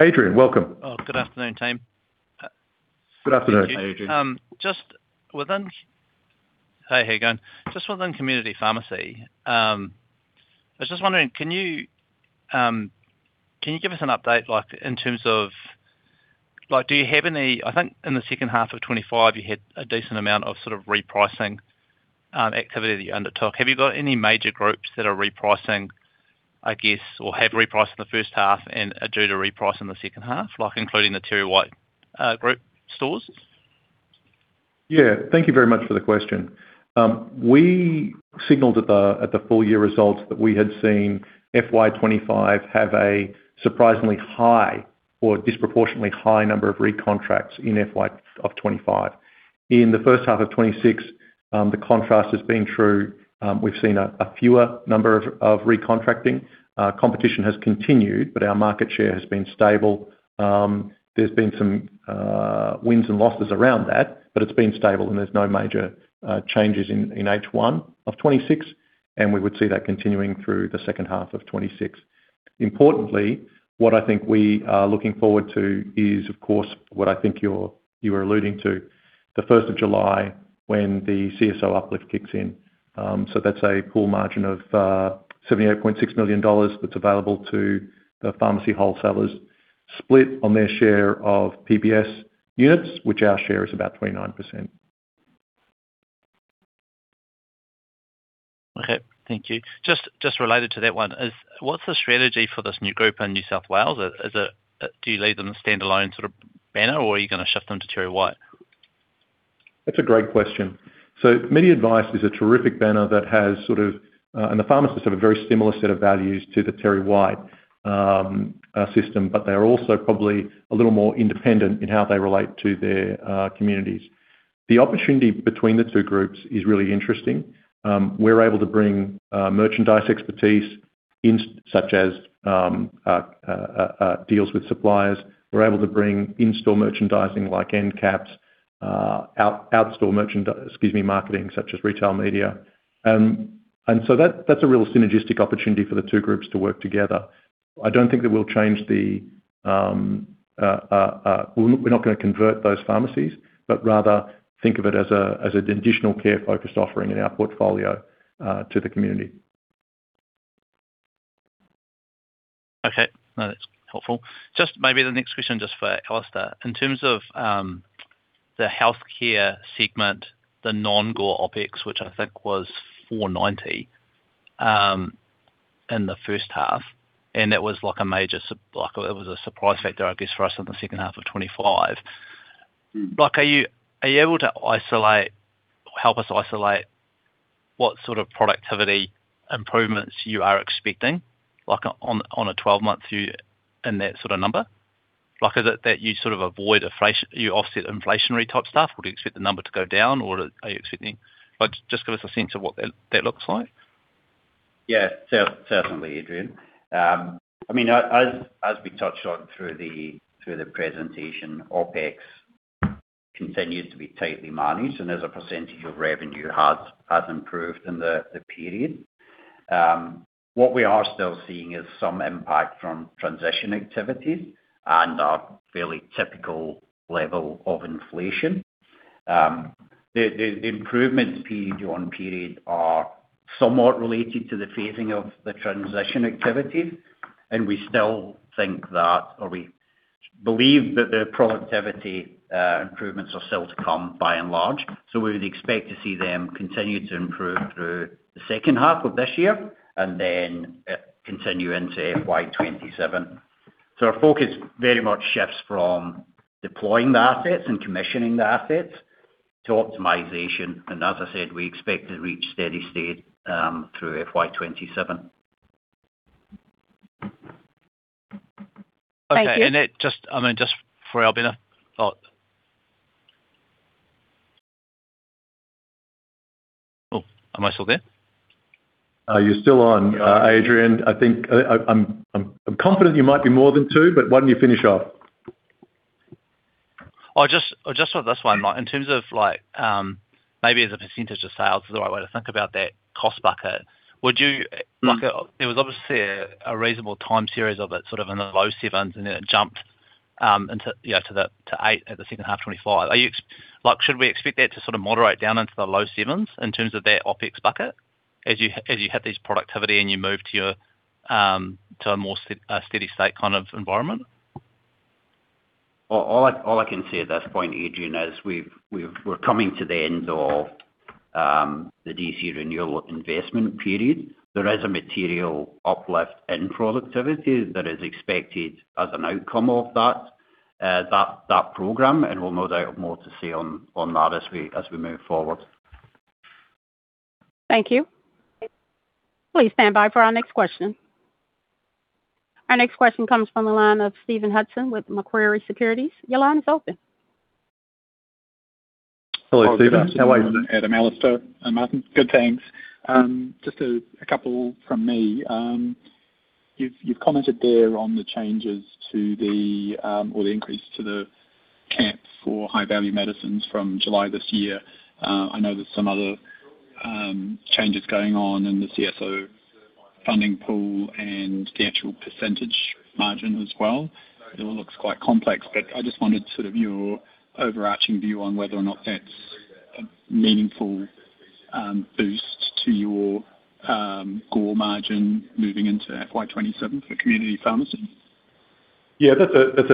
Adrian, welcome. Oh, good afternoon, team. Good afternoon. Hi, Adrian. Hi, how you going? Just within Community Pharmacy, I was just wondering, can you give us an update, like, in terms of, like, do you have any? I think in the second half of 2025, you had a decent amount of sort of repricing activity that you undertook. Have you got any major groups that are repricing, I guess, or have repriced in the first half and are due to reprice in the second half, like including the TerryWhite group stores? Yeah. Thank you very much for the question. We signaled at the, at the full year results that we had seen FY 2025 have a surprisingly high or disproportionately high number of recontracts in FY 2025. In the first half of 2026, the contrast has been true. We've seen a fewer number of recontracting. Competition has continued, but our market share has been stable. There's been some wins and losses around that, but it's been stable, and there's no major changes in H1 of 2026, and we would see that continuing through the second half of 2026. Importantly, what I think we are looking forward to is, of course, what I think you're, you were alluding to, the 1st of July when the CSO uplift kicks in. That's a pool margin of 78.6 million dollars that's available to the Pharmacy Wholesalers, split on their share of PBS units, which our share is about 29%. Okay, thank you. Just related to that one, is what's the strategy for this new group in New South Wales? Is it, do you leave them a standalone sort of banner, or are you gonna shift them to TerryWhite? That's a great question. MediAdvice is a terrific banner that has sort of. The pharmacists have a very similar set of values to the TerryWhite system, but they're also probably a little more independent in how they relate to their communities. The opportunity between the two groups is really interesting. We're able to bring merchandise expertise in, such as deals with suppliers. We're able to bring in-store merchandising, like end caps, outstore marketing, such as retail media. That, that's a real synergistic opportunity for the two groups to work together. I don't think that we'll change the, we're not gonna convert those pharmacies, but rather think of it as an additional care-focused offering in our portfolio to the community. Okay. No, that's helpful. Just maybe the next question for Alistair. In terms of the healthcare segment, the non-core OpEx, which I think was 490 in the first half, that was like a major like, it was a surprise factor, I guess, for us in the second half of 2025. Are you able to isolate or help us isolate what sort of productivity improvements you are expecting on a 12-month view in that sort of number? Is it that you sort of offset inflationary type stuff? Would you expect the number to go down? Just give us a sense of what that looks like. Certainly, Adrian. I mean, as we touched on through the presentation, OpEx continues to be tightly managed, and as a percentage of revenue, has improved in the period. What we are still seeing is some impact from transition activities and a fairly typical level of inflation. The improvements period on period are somewhat related to the phasing of the transition activities, and we still think that, or we believe that the productivity improvements are still to come by and large. We would expect to see them continue to improve through the second half of this year and then continue into FY 2027. Our focus very much shifts from deploying the assets and commissioning the assets to optimization, and as I said, we expect to reach steady state through FY 2027. Thank you. Okay, and it just, I mean, just for Albina. Oh, am I still there? You're still on Adrian. I think, I'm confident you might be more than two, but why don't you finish off? Oh, just for this one, in terms of, maybe as a % of sales is the right way to think about that cost bucket. Would you- Mm-hmm. Like, there was obviously a reasonable time series of it, sort of in the low sevens, and then it jumped, into, you know, to eight at the second half of 2025. Are you like, should we expect that to sort of moderate down into the low sevens in terms of that OpEx bucket, as you hit these productivity and you move to your, to a more steady state kind of environment? All I can say at this point, Adrian, is we're coming to the end of the DC Renewal investment period. There is a material uplift in productivity that is expected as an outcome of that program, and we'll no doubt have more to say on that as we move forward. Thank you. Please stand by for our next question. Our next question comes from the line of Stephen Hudson with Macquarie Securities. Your line is open. Hello, Stephen. How are you? Adam, Alastair, and Martin. Good, thanks. Just a couple from me. You've commented there on the changes to the or the increase to the cap for high-value medicines from July this year. I know there's some other changes going on in the CSO funding pool and the actual percentage margin as well. It all looks quite complex, I just wondered sort of your overarching view on whether or not that's a meaningful boost to your core margin moving into FY 2027 for Community Pharmacy? That's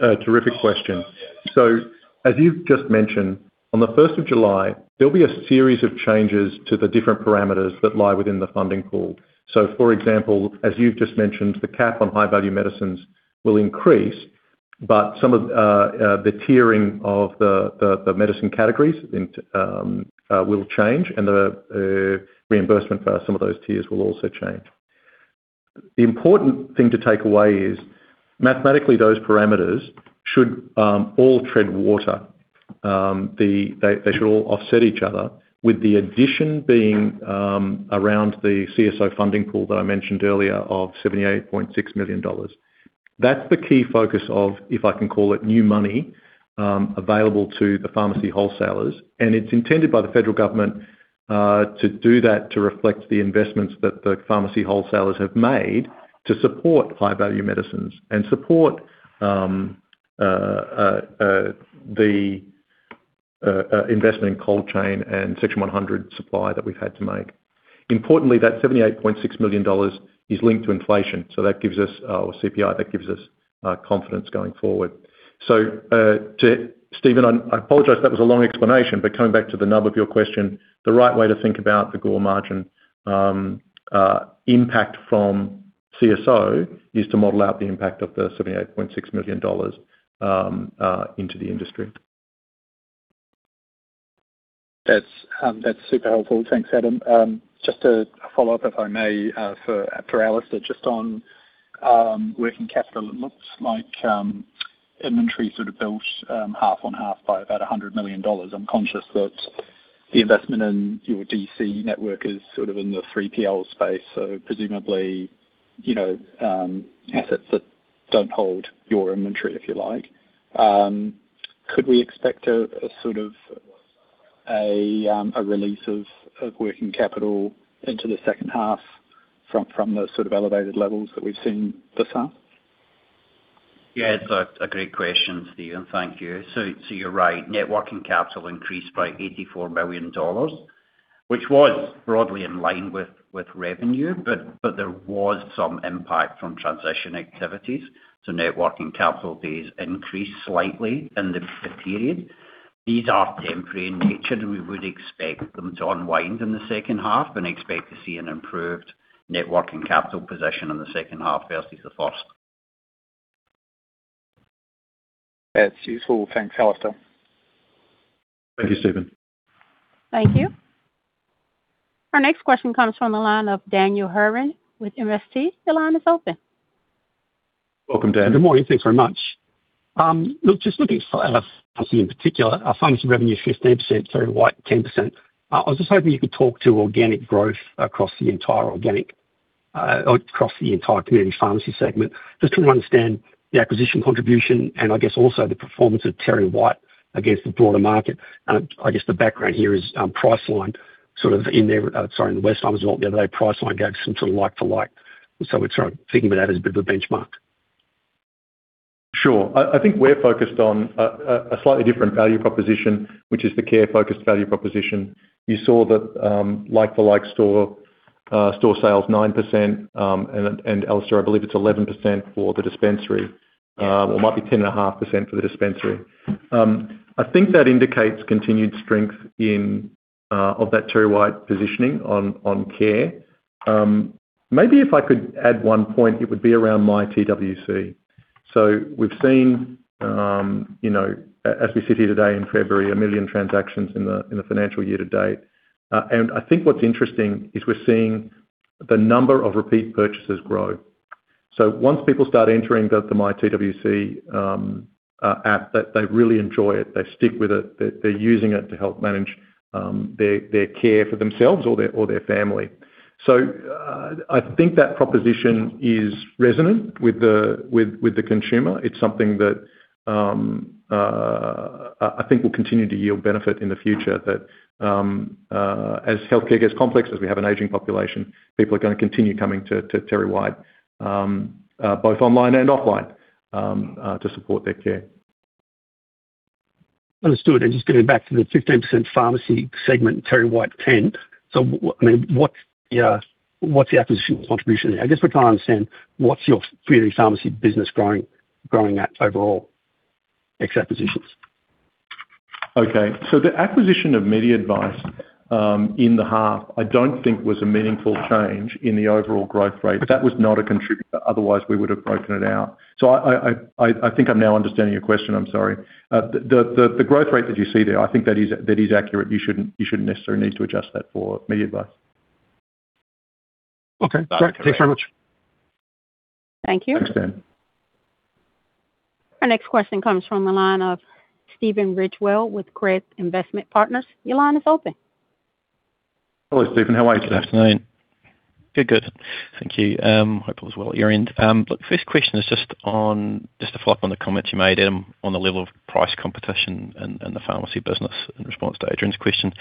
a terrific question. As you've just mentioned, on the 1st of July, there'll be a series of changes to the different parameters that lie within the funding pool. For example, as you've just mentioned, the cap on high-value medicines will increase, but some of the tiering of the medicine categories will change, and the reimbursement for some of those tiers will also change. The important thing to take away is, mathematically, those parameters should all tread water. They should all offset each other, with the addition being around the CSO funding pool that I mentioned earlier of 78.6 million dollars. That's the key focus of, if I can call it, new money, available to the Pharmacy Wholesalers, and it's intended by the federal government, to do that, to reflect the investments that the Pharmacy Wholesalers have made to support high-value medicines and support the investment in cold chain and Section 100 supply that we've had to make. Importantly, that 78.6 million dollars is linked to inflation, so that gives us, or CPI, that gives us confidence going forward. Stephen, I apologize, that was a long explanation, but coming back to the nub of your question, the right way to think about the GOR margin, impact from CSO, is to model out the impact of the 78.6 million dollars, into the industry. That's super helpful. Thanks, Adam. Just a follow-up, if I may, for Alistair, just on working capital. It looks like inventory sort of built half on half by about 100 million dollars. I'm conscious that the investment in your DC network is sort of in the 3PL space, so presumably, you know, assets that don't hold your inventory, if you like. Could we expect a sort of a release of working capital into the second half from the sort of elevated levels that we've seen this half? Yeah, it's a great question, Stephen, thank you. You're right. Net working capital increased by 84 million dollars, which was broadly in line with revenue, but there was some impact from transition activities, so net working capital days increased slightly in the period. These are temporary in nature, and we would expect them to unwind in the second half and expect to see an improved net working capital position in the second half versus the first. That's useful. Thanks, Alistair. Thank you, Stephen. Thank you. Our next question comes from the line of Daniel Hurren with MST. Your line is open. Welcome, Dan. Good morning. Thanks very much. Just looking at pharmacy in particular, our pharmacy revenue is 15%, so we're like 10%. I was just hoping you could talk to organic growth across the entire organic, or across the entire Community Pharmacy segment, just to understand the acquisition contribution, I guess also the performance of TerryWhite against the broader market. I guess the background here is Priceline, sort of in their, sorry, in the West Island as well. The other day, Priceline gave some sort of like-to-like. We're sort of thinking about that as a bit of a benchmark. Sure. I think we're focused on a slightly different value proposition, which is the care-focused value proposition. You saw that like-for-like store sales 9%, and Alistair, I believe, it's 11% for the dispensary, or might be 10.5% for the dispensary. I think that indicates continued strength of that TerryWhite positioning on care. Maybe if I could add one point, it would be around myTWC. We've seen, you know, as we sit here today in February, 1 million transactions in the financial year-to-date. I think what's interesting is we're seeing the number of repeat purchases grow. Once people start entering the myTWC app, they really enjoy it, they stick with it. They're using it to help manage their care for themselves or their family. I think that proposition is resonant with the consumer. It's something that I think will continue to yield benefit in the future, that as healthcare gets complex, as we have an aging population, people are gonna continue coming to TerryWhite both online and offline to support their care. Understood. Just going back to the 15% pharmacy segment, TerryWhite, 10%. I mean, what's the acquisition contribution? I guess we're trying to understand what's your Community Pharmacy business growing at overall, ex acquisitions? The acquisition of MediAdvice in the half, I don't think was a meaningful change in the overall growth rate. That was not a contributor, otherwise we would have broken it out. I think I'm now understanding your question, I'm sorry. The growth rate that you see there, I think that is accurate. You shouldn't necessarily need to adjust that for MediAdvice. Okay. Great. Thanks very much. Thank you. Thanks, Dan. Our next question comes from the line of Stephen Ridgewell with Craigs Investment Partners. Your line is open. Hello, Stephen. How are you today? Good afternoon. Good. Thank you. Hope all is well at your end. Look, first question is just on, just to follow up on the comments you made, Adam, on the level of price competition and the pharmacy business in response to Adrian's question.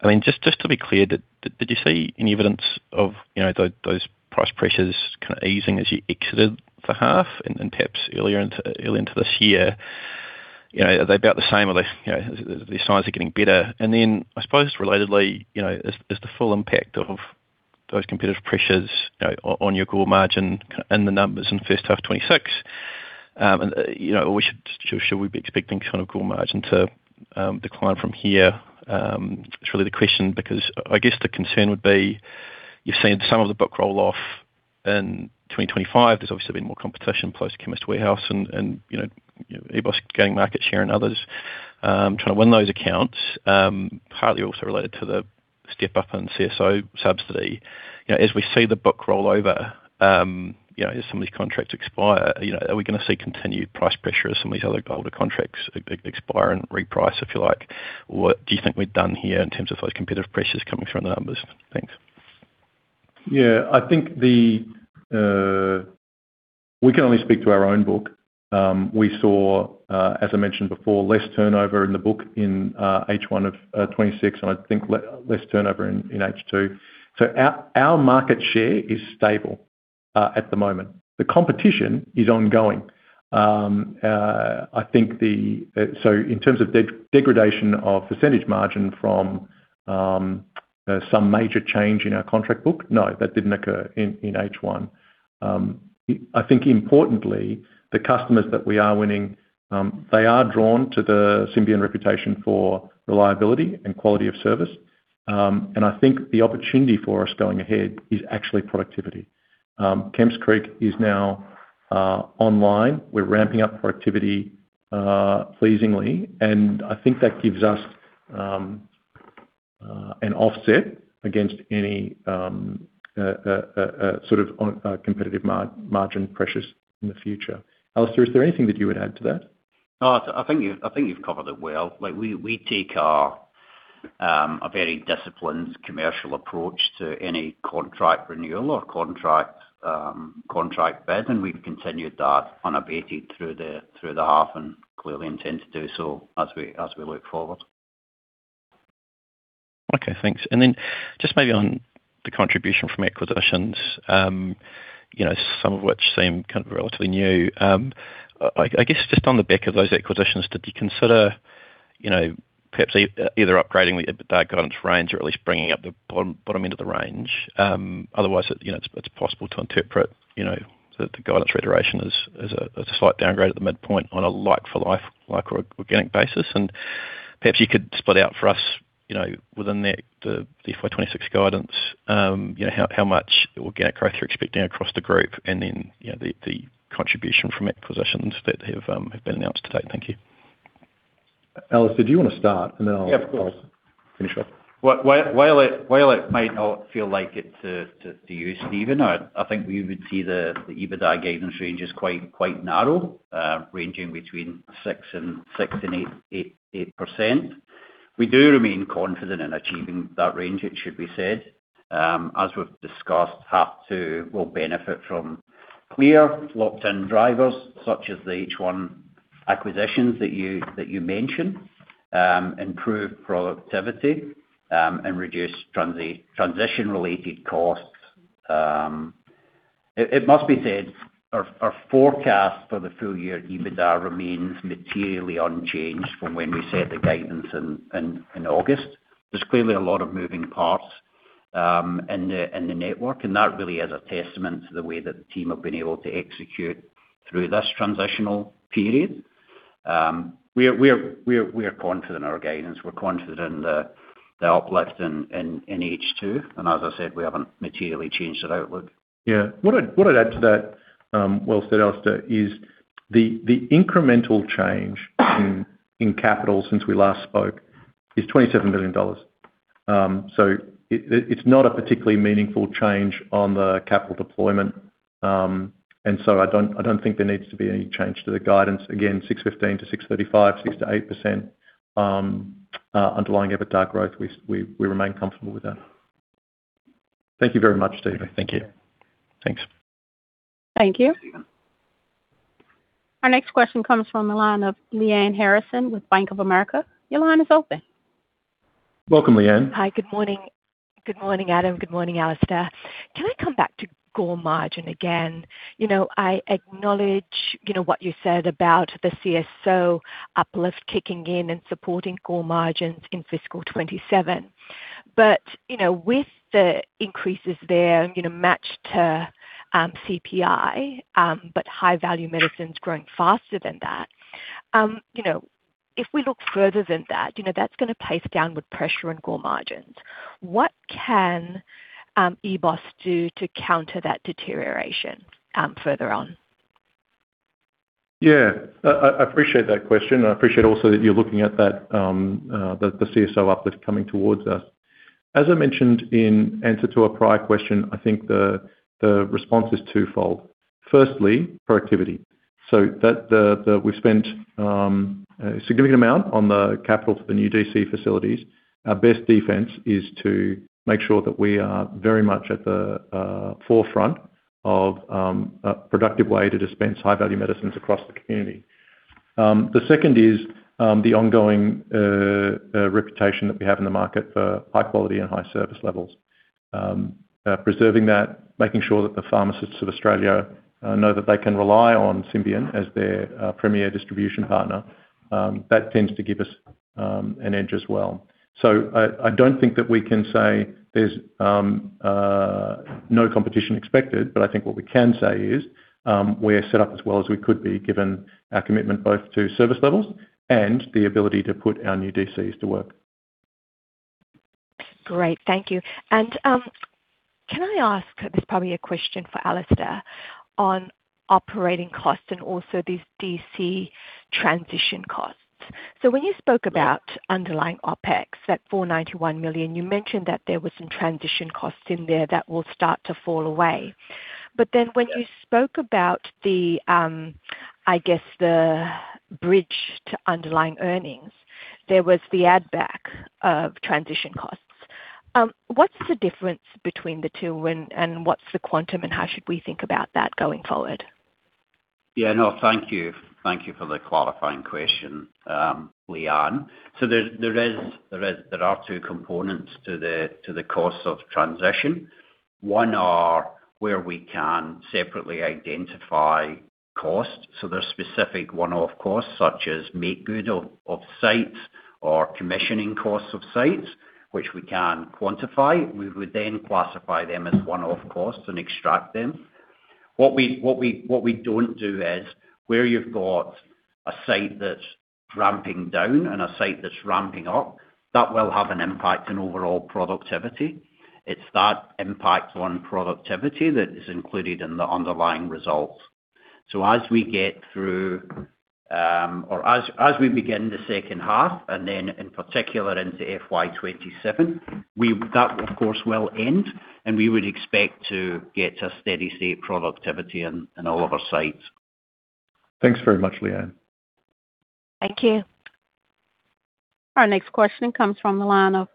I mean, just to be clear, did you see any evidence of, you know, those price pressures kind of easing as you exited the half and perhaps earlier into this year? You know, are they about the same or are they, you know, the signs are getting better? I suppose relatedly, you know, is the full impact of those competitive pressures, you know, on your core margin in the numbers in first half 2026? You know, shall we be expecting kind of core margin to decline from here? It's really the question, because I guess the concern would be you've seen some of the book roll off in 2025. There's obviously been more competition, close to Chemist Warehouse and, you know, EBOS gaining market share and others trying to win those accounts. Partly also related to the step-up in CSO subsidy. You know, as we see the book roll over, you know, as some of these contracts expire, you know, are we gonna see continued price pressure as some of these other older contracts expire and reprice, if you like? What do you think we've done here in terms of those competitive pressures coming through on the numbers? Thanks. Yeah, I think the We can only speak to our own book. We saw, as I mentioned before, less turnover in the book in H1 of 26, and I think less turnover in H2. Our market share is stable at the moment. The competition is ongoing. I think the in terms of degradation of percentage margin from some major change in our contract book, no, that didn't occur in H1. I think importantly, the customers that we are winning, they are drawn to the Symbion reputation for reliability and quality of service. I think the opportunity for us going ahead is actually productivity. Kemps Creek is now online. We're ramping up productivity, pleasingly, and I think that gives us an offset against any sort of competitive margin pressures in the future. Alistair, is there anything that you would add to that? I think you've covered it well. Like, we take our a very disciplined commercial approach to any contract renewal or contract bid, and we've continued that unabated through the half and clearly intend to do so as we look forward. Okay, thanks. Then just maybe on the contribution from acquisitions, you know, some of which seem kind of relatively new. I guess just on the back of those acquisitions, did you consider, you know, perhaps either upgrading the EBITDA guidance range or at least bringing up the bottom end of the range? Otherwise, you know, it's possible to interpret, you know, that the guidance reiteration as a slight downgrade at the midpoint on a like for life, like or organic basis. Perhaps you could split out for us, you know, within the FY26 guidance, you know, how much organic growth you're expecting across the group, and then, you know, the contribution from acquisitions that have been announced to date. Thank you. Alistair, do you want to start? Then I'll- Yeah, of course. Finish off. While it might not feel like it to you, Stephen, I think we would see the EBITDA guidance range is quite narrow, ranging between 6% and 8%. We do remain confident in achieving that range, it should be said. As we've discussed, half two will benefit from clear locked-in drivers, such as the H1 acquisitions that you mentioned, improved productivity, and reduced transition-related costs. It must be said, our forecast for the full year EBITDA remains materially unchanged from when we set the guidance in August. There's clearly a lot of moving parts in the network, and that really is a testament to the way that the team have been able to execute through this transitional period. We are confident in our guidance. We're confident in the uplift in H2. As I said, we haven't materially changed our outlook. What I'd add to that, well said, Alistair, is the incremental change in capital since we last spoke is $27 billion. It's not a particularly meaningful change on the capital deployment. I don't think there needs to be any change to the guidance. Again, 6.15-6.35, 6%-8% Underlying EBITDA growth, we remain comfortable with that. Thank you very much, Stephen. Thank you. Thanks. Thank you. Our next question comes from the line of Lyanne Harrison with Bank of America. Your line is open. Welcome, Lyanne. Hi, good morning. Good morning, Adam. Good morning, Alistair. Can I come back to core margin again? You know, I acknowledge, you know, what you said about the CSO uplift kicking in and supporting core margins in fiscal 2027. You know, with the increases there, you know, matched to, CPI, but high-value medicines growing faster than that, you know, if we look further than that, you know, that's gonna place downward pressure on core margins. What can EBOS do to counter that deterioration, further on? Yeah. I appreciate that question, and I appreciate also that you're looking at that, the CSO uplift coming towards us. As I mentioned in answer to a prior question, I think the response is twofold: firstly, productivity. We've spent a significant amount on the capital for the new DC facilities. Our best defense is to make sure that we are very much at the forefront of a productive way to dispense high-value medicines across the community. The second is the ongoing reputation that we have in the market for high quality and high service levels. Preserving that, making sure that the pharmacists of Australia know that they can rely on Symbion as their premier distribution partner, that tends to give us an edge as well. I don't think that we can say there's no competition expected, but I think what we can say is, we're set up as well as we could be, given our commitment both to service levels and the ability to put our new DCs to work. Great. Thank you. Can I ask, this is probably a question for Alistair, on operating costs and also these DC transition costs. When you spoke about underlying OpEx, that 491 million, you mentioned that there were some transition costs in there that will start to fall away. When you spoke about the, I guess, the bridge to underlying earnings, there was the add back of transition costs. What's the difference between the two, and what's the quantum, and how should we think about that going forward? Yeah, no, thank you. Thank you for the clarifying question, Lyanne. There are two components to the cost of transition. One are where we can separately identify costs, so there are specific one-off costs, such as make good of sites or commissioning costs of sites, which we can quantify. We would then classify them as one-off costs and extract them. What we don't do is, where you've got a site that's ramping down and a site that's ramping up, that will have an impact on overall productivity. It's that impact on productivity that is included in the underlying results. As we get through, or as we begin the second half, and then in particular into FY 2027, that, of course, will end, and we would expect to get to a steady state productivity in all of our sites. Thanks very much, Lyanne. Thank you. Our next question comes from the line of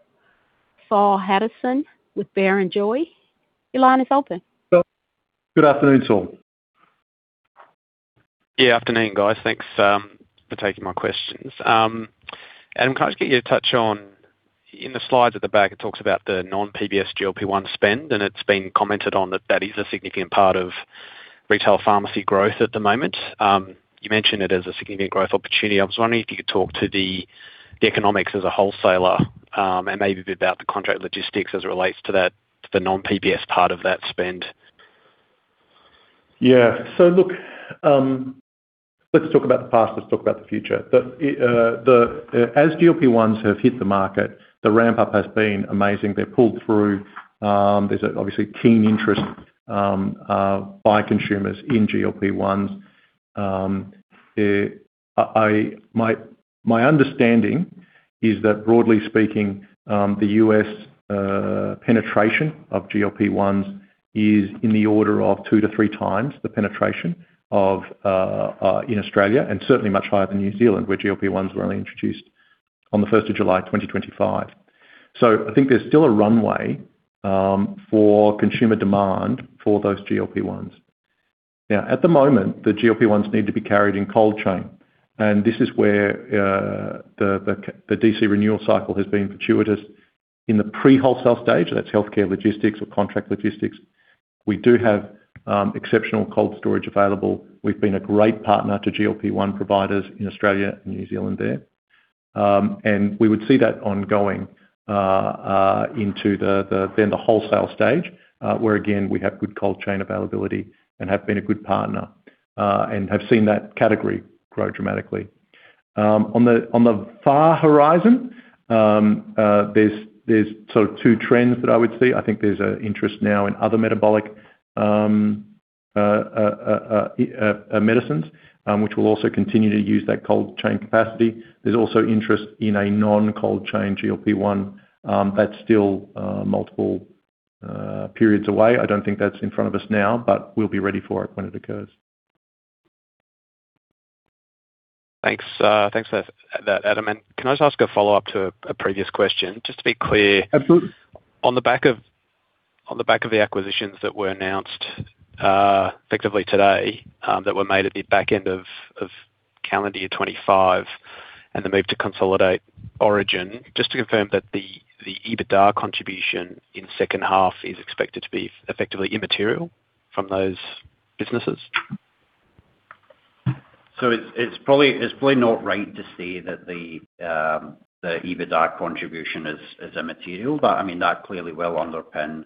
Saul Hadassin with Barrenjoey. Your line is open. Good afternoon, Saul Yeah, afternoon, guys. Thanks for taking my questions. Adam, can I just get you to touch on, in the slides at the back, it talks about the non-PBS GLP-1 spend, it's been commented on that that is a significant part of retail pharmacy growth at the moment. You mentioned it as a significant growth opportunity. I was wondering if you could talk to the economics as a wholesaler, maybe a bit about the Contract Logistics as it relates to that, to the non-PBS part of that spend. Look, let's talk about the past, let's talk about the future. As GLP-1s have hit the market, the ramp-up has been amazing. They've pulled through, there's obviously keen interest by consumers in GLP-1s. My understanding is that broadly speaking, the U.S. penetration of GLP-1s is in the order of two to three times the penetration in Australia, and certainly much higher than New Zealand, where GLP-1s were only introduced on the 1st of July, 2025. I think there's still a runway for consumer demand for those GLP-1s. Now, at the moment, the GLP-1s need to be carried in cold chain, and this is where the DC Renewal Cycle has been fortuitous. In the pre-wholesale stage, that's Healthcare Logistics or Contract Logistics, we do have exceptional cold storage available. We've been a great partner to GLP-1 providers in Australia and New Zealand there. We would see that ongoing into then the wholesale stage, where, again, we have good cold chain availability and have been a good partner and have seen that category grow dramatically. On the far horizon, there's sort of two trends that I would see. I think there's an interest now in other metabolic medicines, which will also continue to use that cold chain capacity. There's also interest in a non-cold chain GLP-1, that's still multiple periods away. I don't think that's in front of us now, but we'll be ready for it when it occurs. Thanks, thanks for that, Adam. Can I just ask a follow-up to a previous question, just to be clear? Absolutely. On the back of the acquisitions that were announced effectively today, that were made at the back end of calendar year 2025 and the move to consolidate Origin, just to confirm that the EBITDA contribution in second half is expected to be effectively immaterial from those businesses? It's probably not right to say that the EBITDA contribution is immaterial, but I mean, that clearly will underpin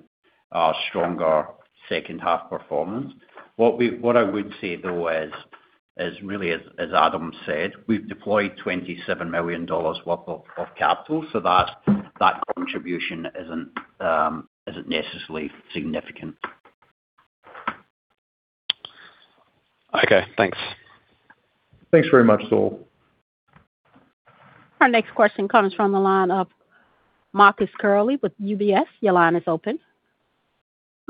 our stronger second half performance. What I would say, though, is really, as Adam said, we've deployed 27 million dollars worth of capital, so that contribution isn't necessarily significant. Okay, thanks. Thanks very much, Saul. Our next question comes from the line of Marcus Curley with UBS. Your line is open.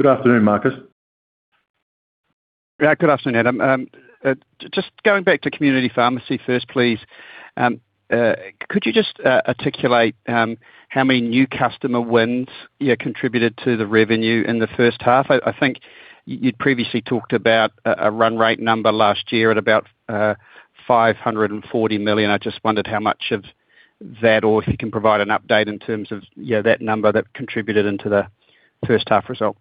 Good afternoon, Marcus. Good afternoon, Adam. Just going back to Community Pharmacy first, please. Could you just articulate how many new customer wins you contributed to the revenue in the first half? I think you'd previously talked about a run rate number last year at about 540 million. I just wondered how much of that, or if you can provide an update in terms of, you know, that number that contributed into the first half result.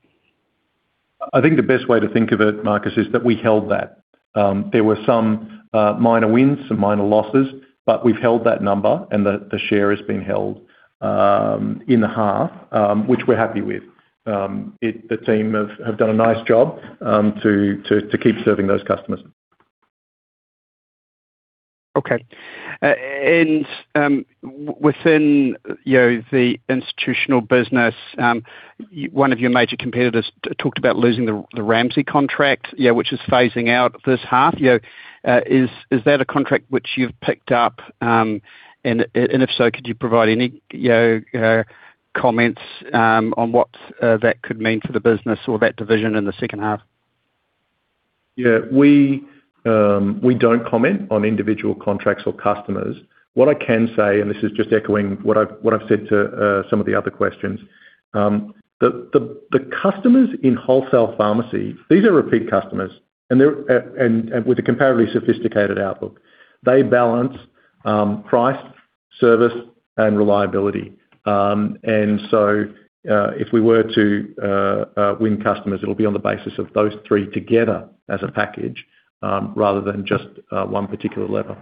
I think the best way to think of it, Marcus, is that we held that. There were some minor wins, some minor losses, but we've held that number, and the share has been held in the half, which we're happy with. The team have done a nice job to keep serving those customers. Okay. Within, you know, the institutional business, one of your major competitors talked about losing the Ramsay contract, yeah, which is phasing out this half. You know, is that a contract which you've picked up, and if so, could you provide any, you know, comments, on what that could mean for the business or that division in the second half? We don't comment on individual contracts or customers. What I can say, and this is just echoing what I've said to some of the other questions. The customers in wholesale pharmacy, these are repeat customers, and they're and with a comparatively sophisticated outlook. They balance price, service, and reliability. If we were to win customers, it'll be on the basis of those three together as a package, rather than just one particular level.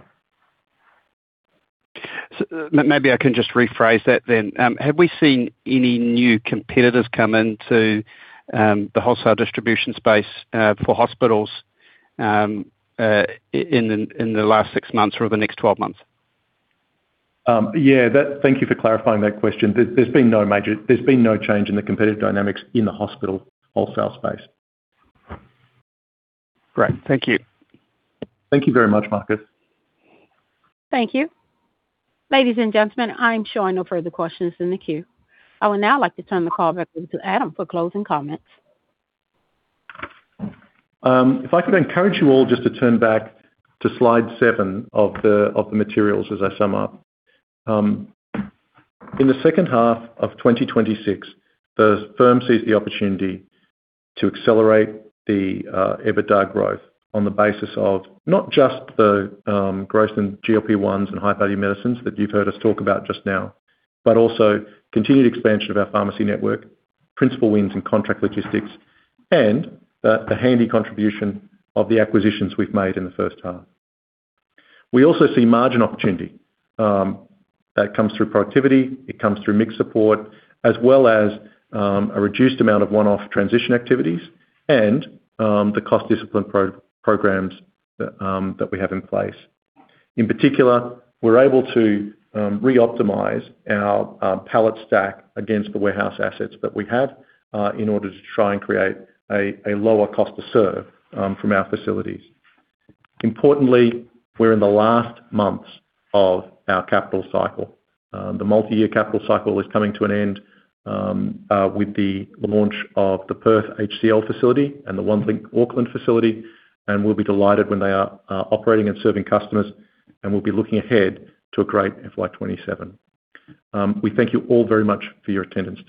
Maybe I can just rephrase that then. Have we seen any new competitors come into the wholesale distribution space for hospitals in the last six months or the next 12 months? Yeah, that... Thank you for clarifying that question. There's been no change in the competitive dynamics in the hospital wholesale space. Great. Thank you. Thank you very much, Marcus. Thank you. Ladies and gentlemen, I'm showing no further questions in the queue. I would now like to turn the call back over to Adam for closing comments. If I could encourage you all just to turn back to slide seven of the materials as I sum up. In the second half of 2026, the firm sees the opportunity to accelerate the EBITDA growth on the basis of not just the growth in GLP-1s and high-value medicines that you've heard us talk about just now, but also continued expansion of our pharmacy network, principal wins and Contract Logistics, and the handy contribution of the acquisitions we've made in the first half. We also see margin opportunity that comes through productivity, it comes through mixed support, as well as a reduced amount of one-off transition activities and the cost discipline programs that we have in place. In particular, we're able to reoptimize our pallet stack against the warehouse assets that we have, in order to try and create a lower cost to serve from our facilities. Importantly, we're in the last months of our capital cycle. The multiyear capital cycle is coming to an end with the launch of the Perth HCL facility and the Onelink Auckland facility. We'll be delighted when they are operating and serving customers, and we'll be looking ahead to a great FY 2027. We thank you all very much for your attendance today.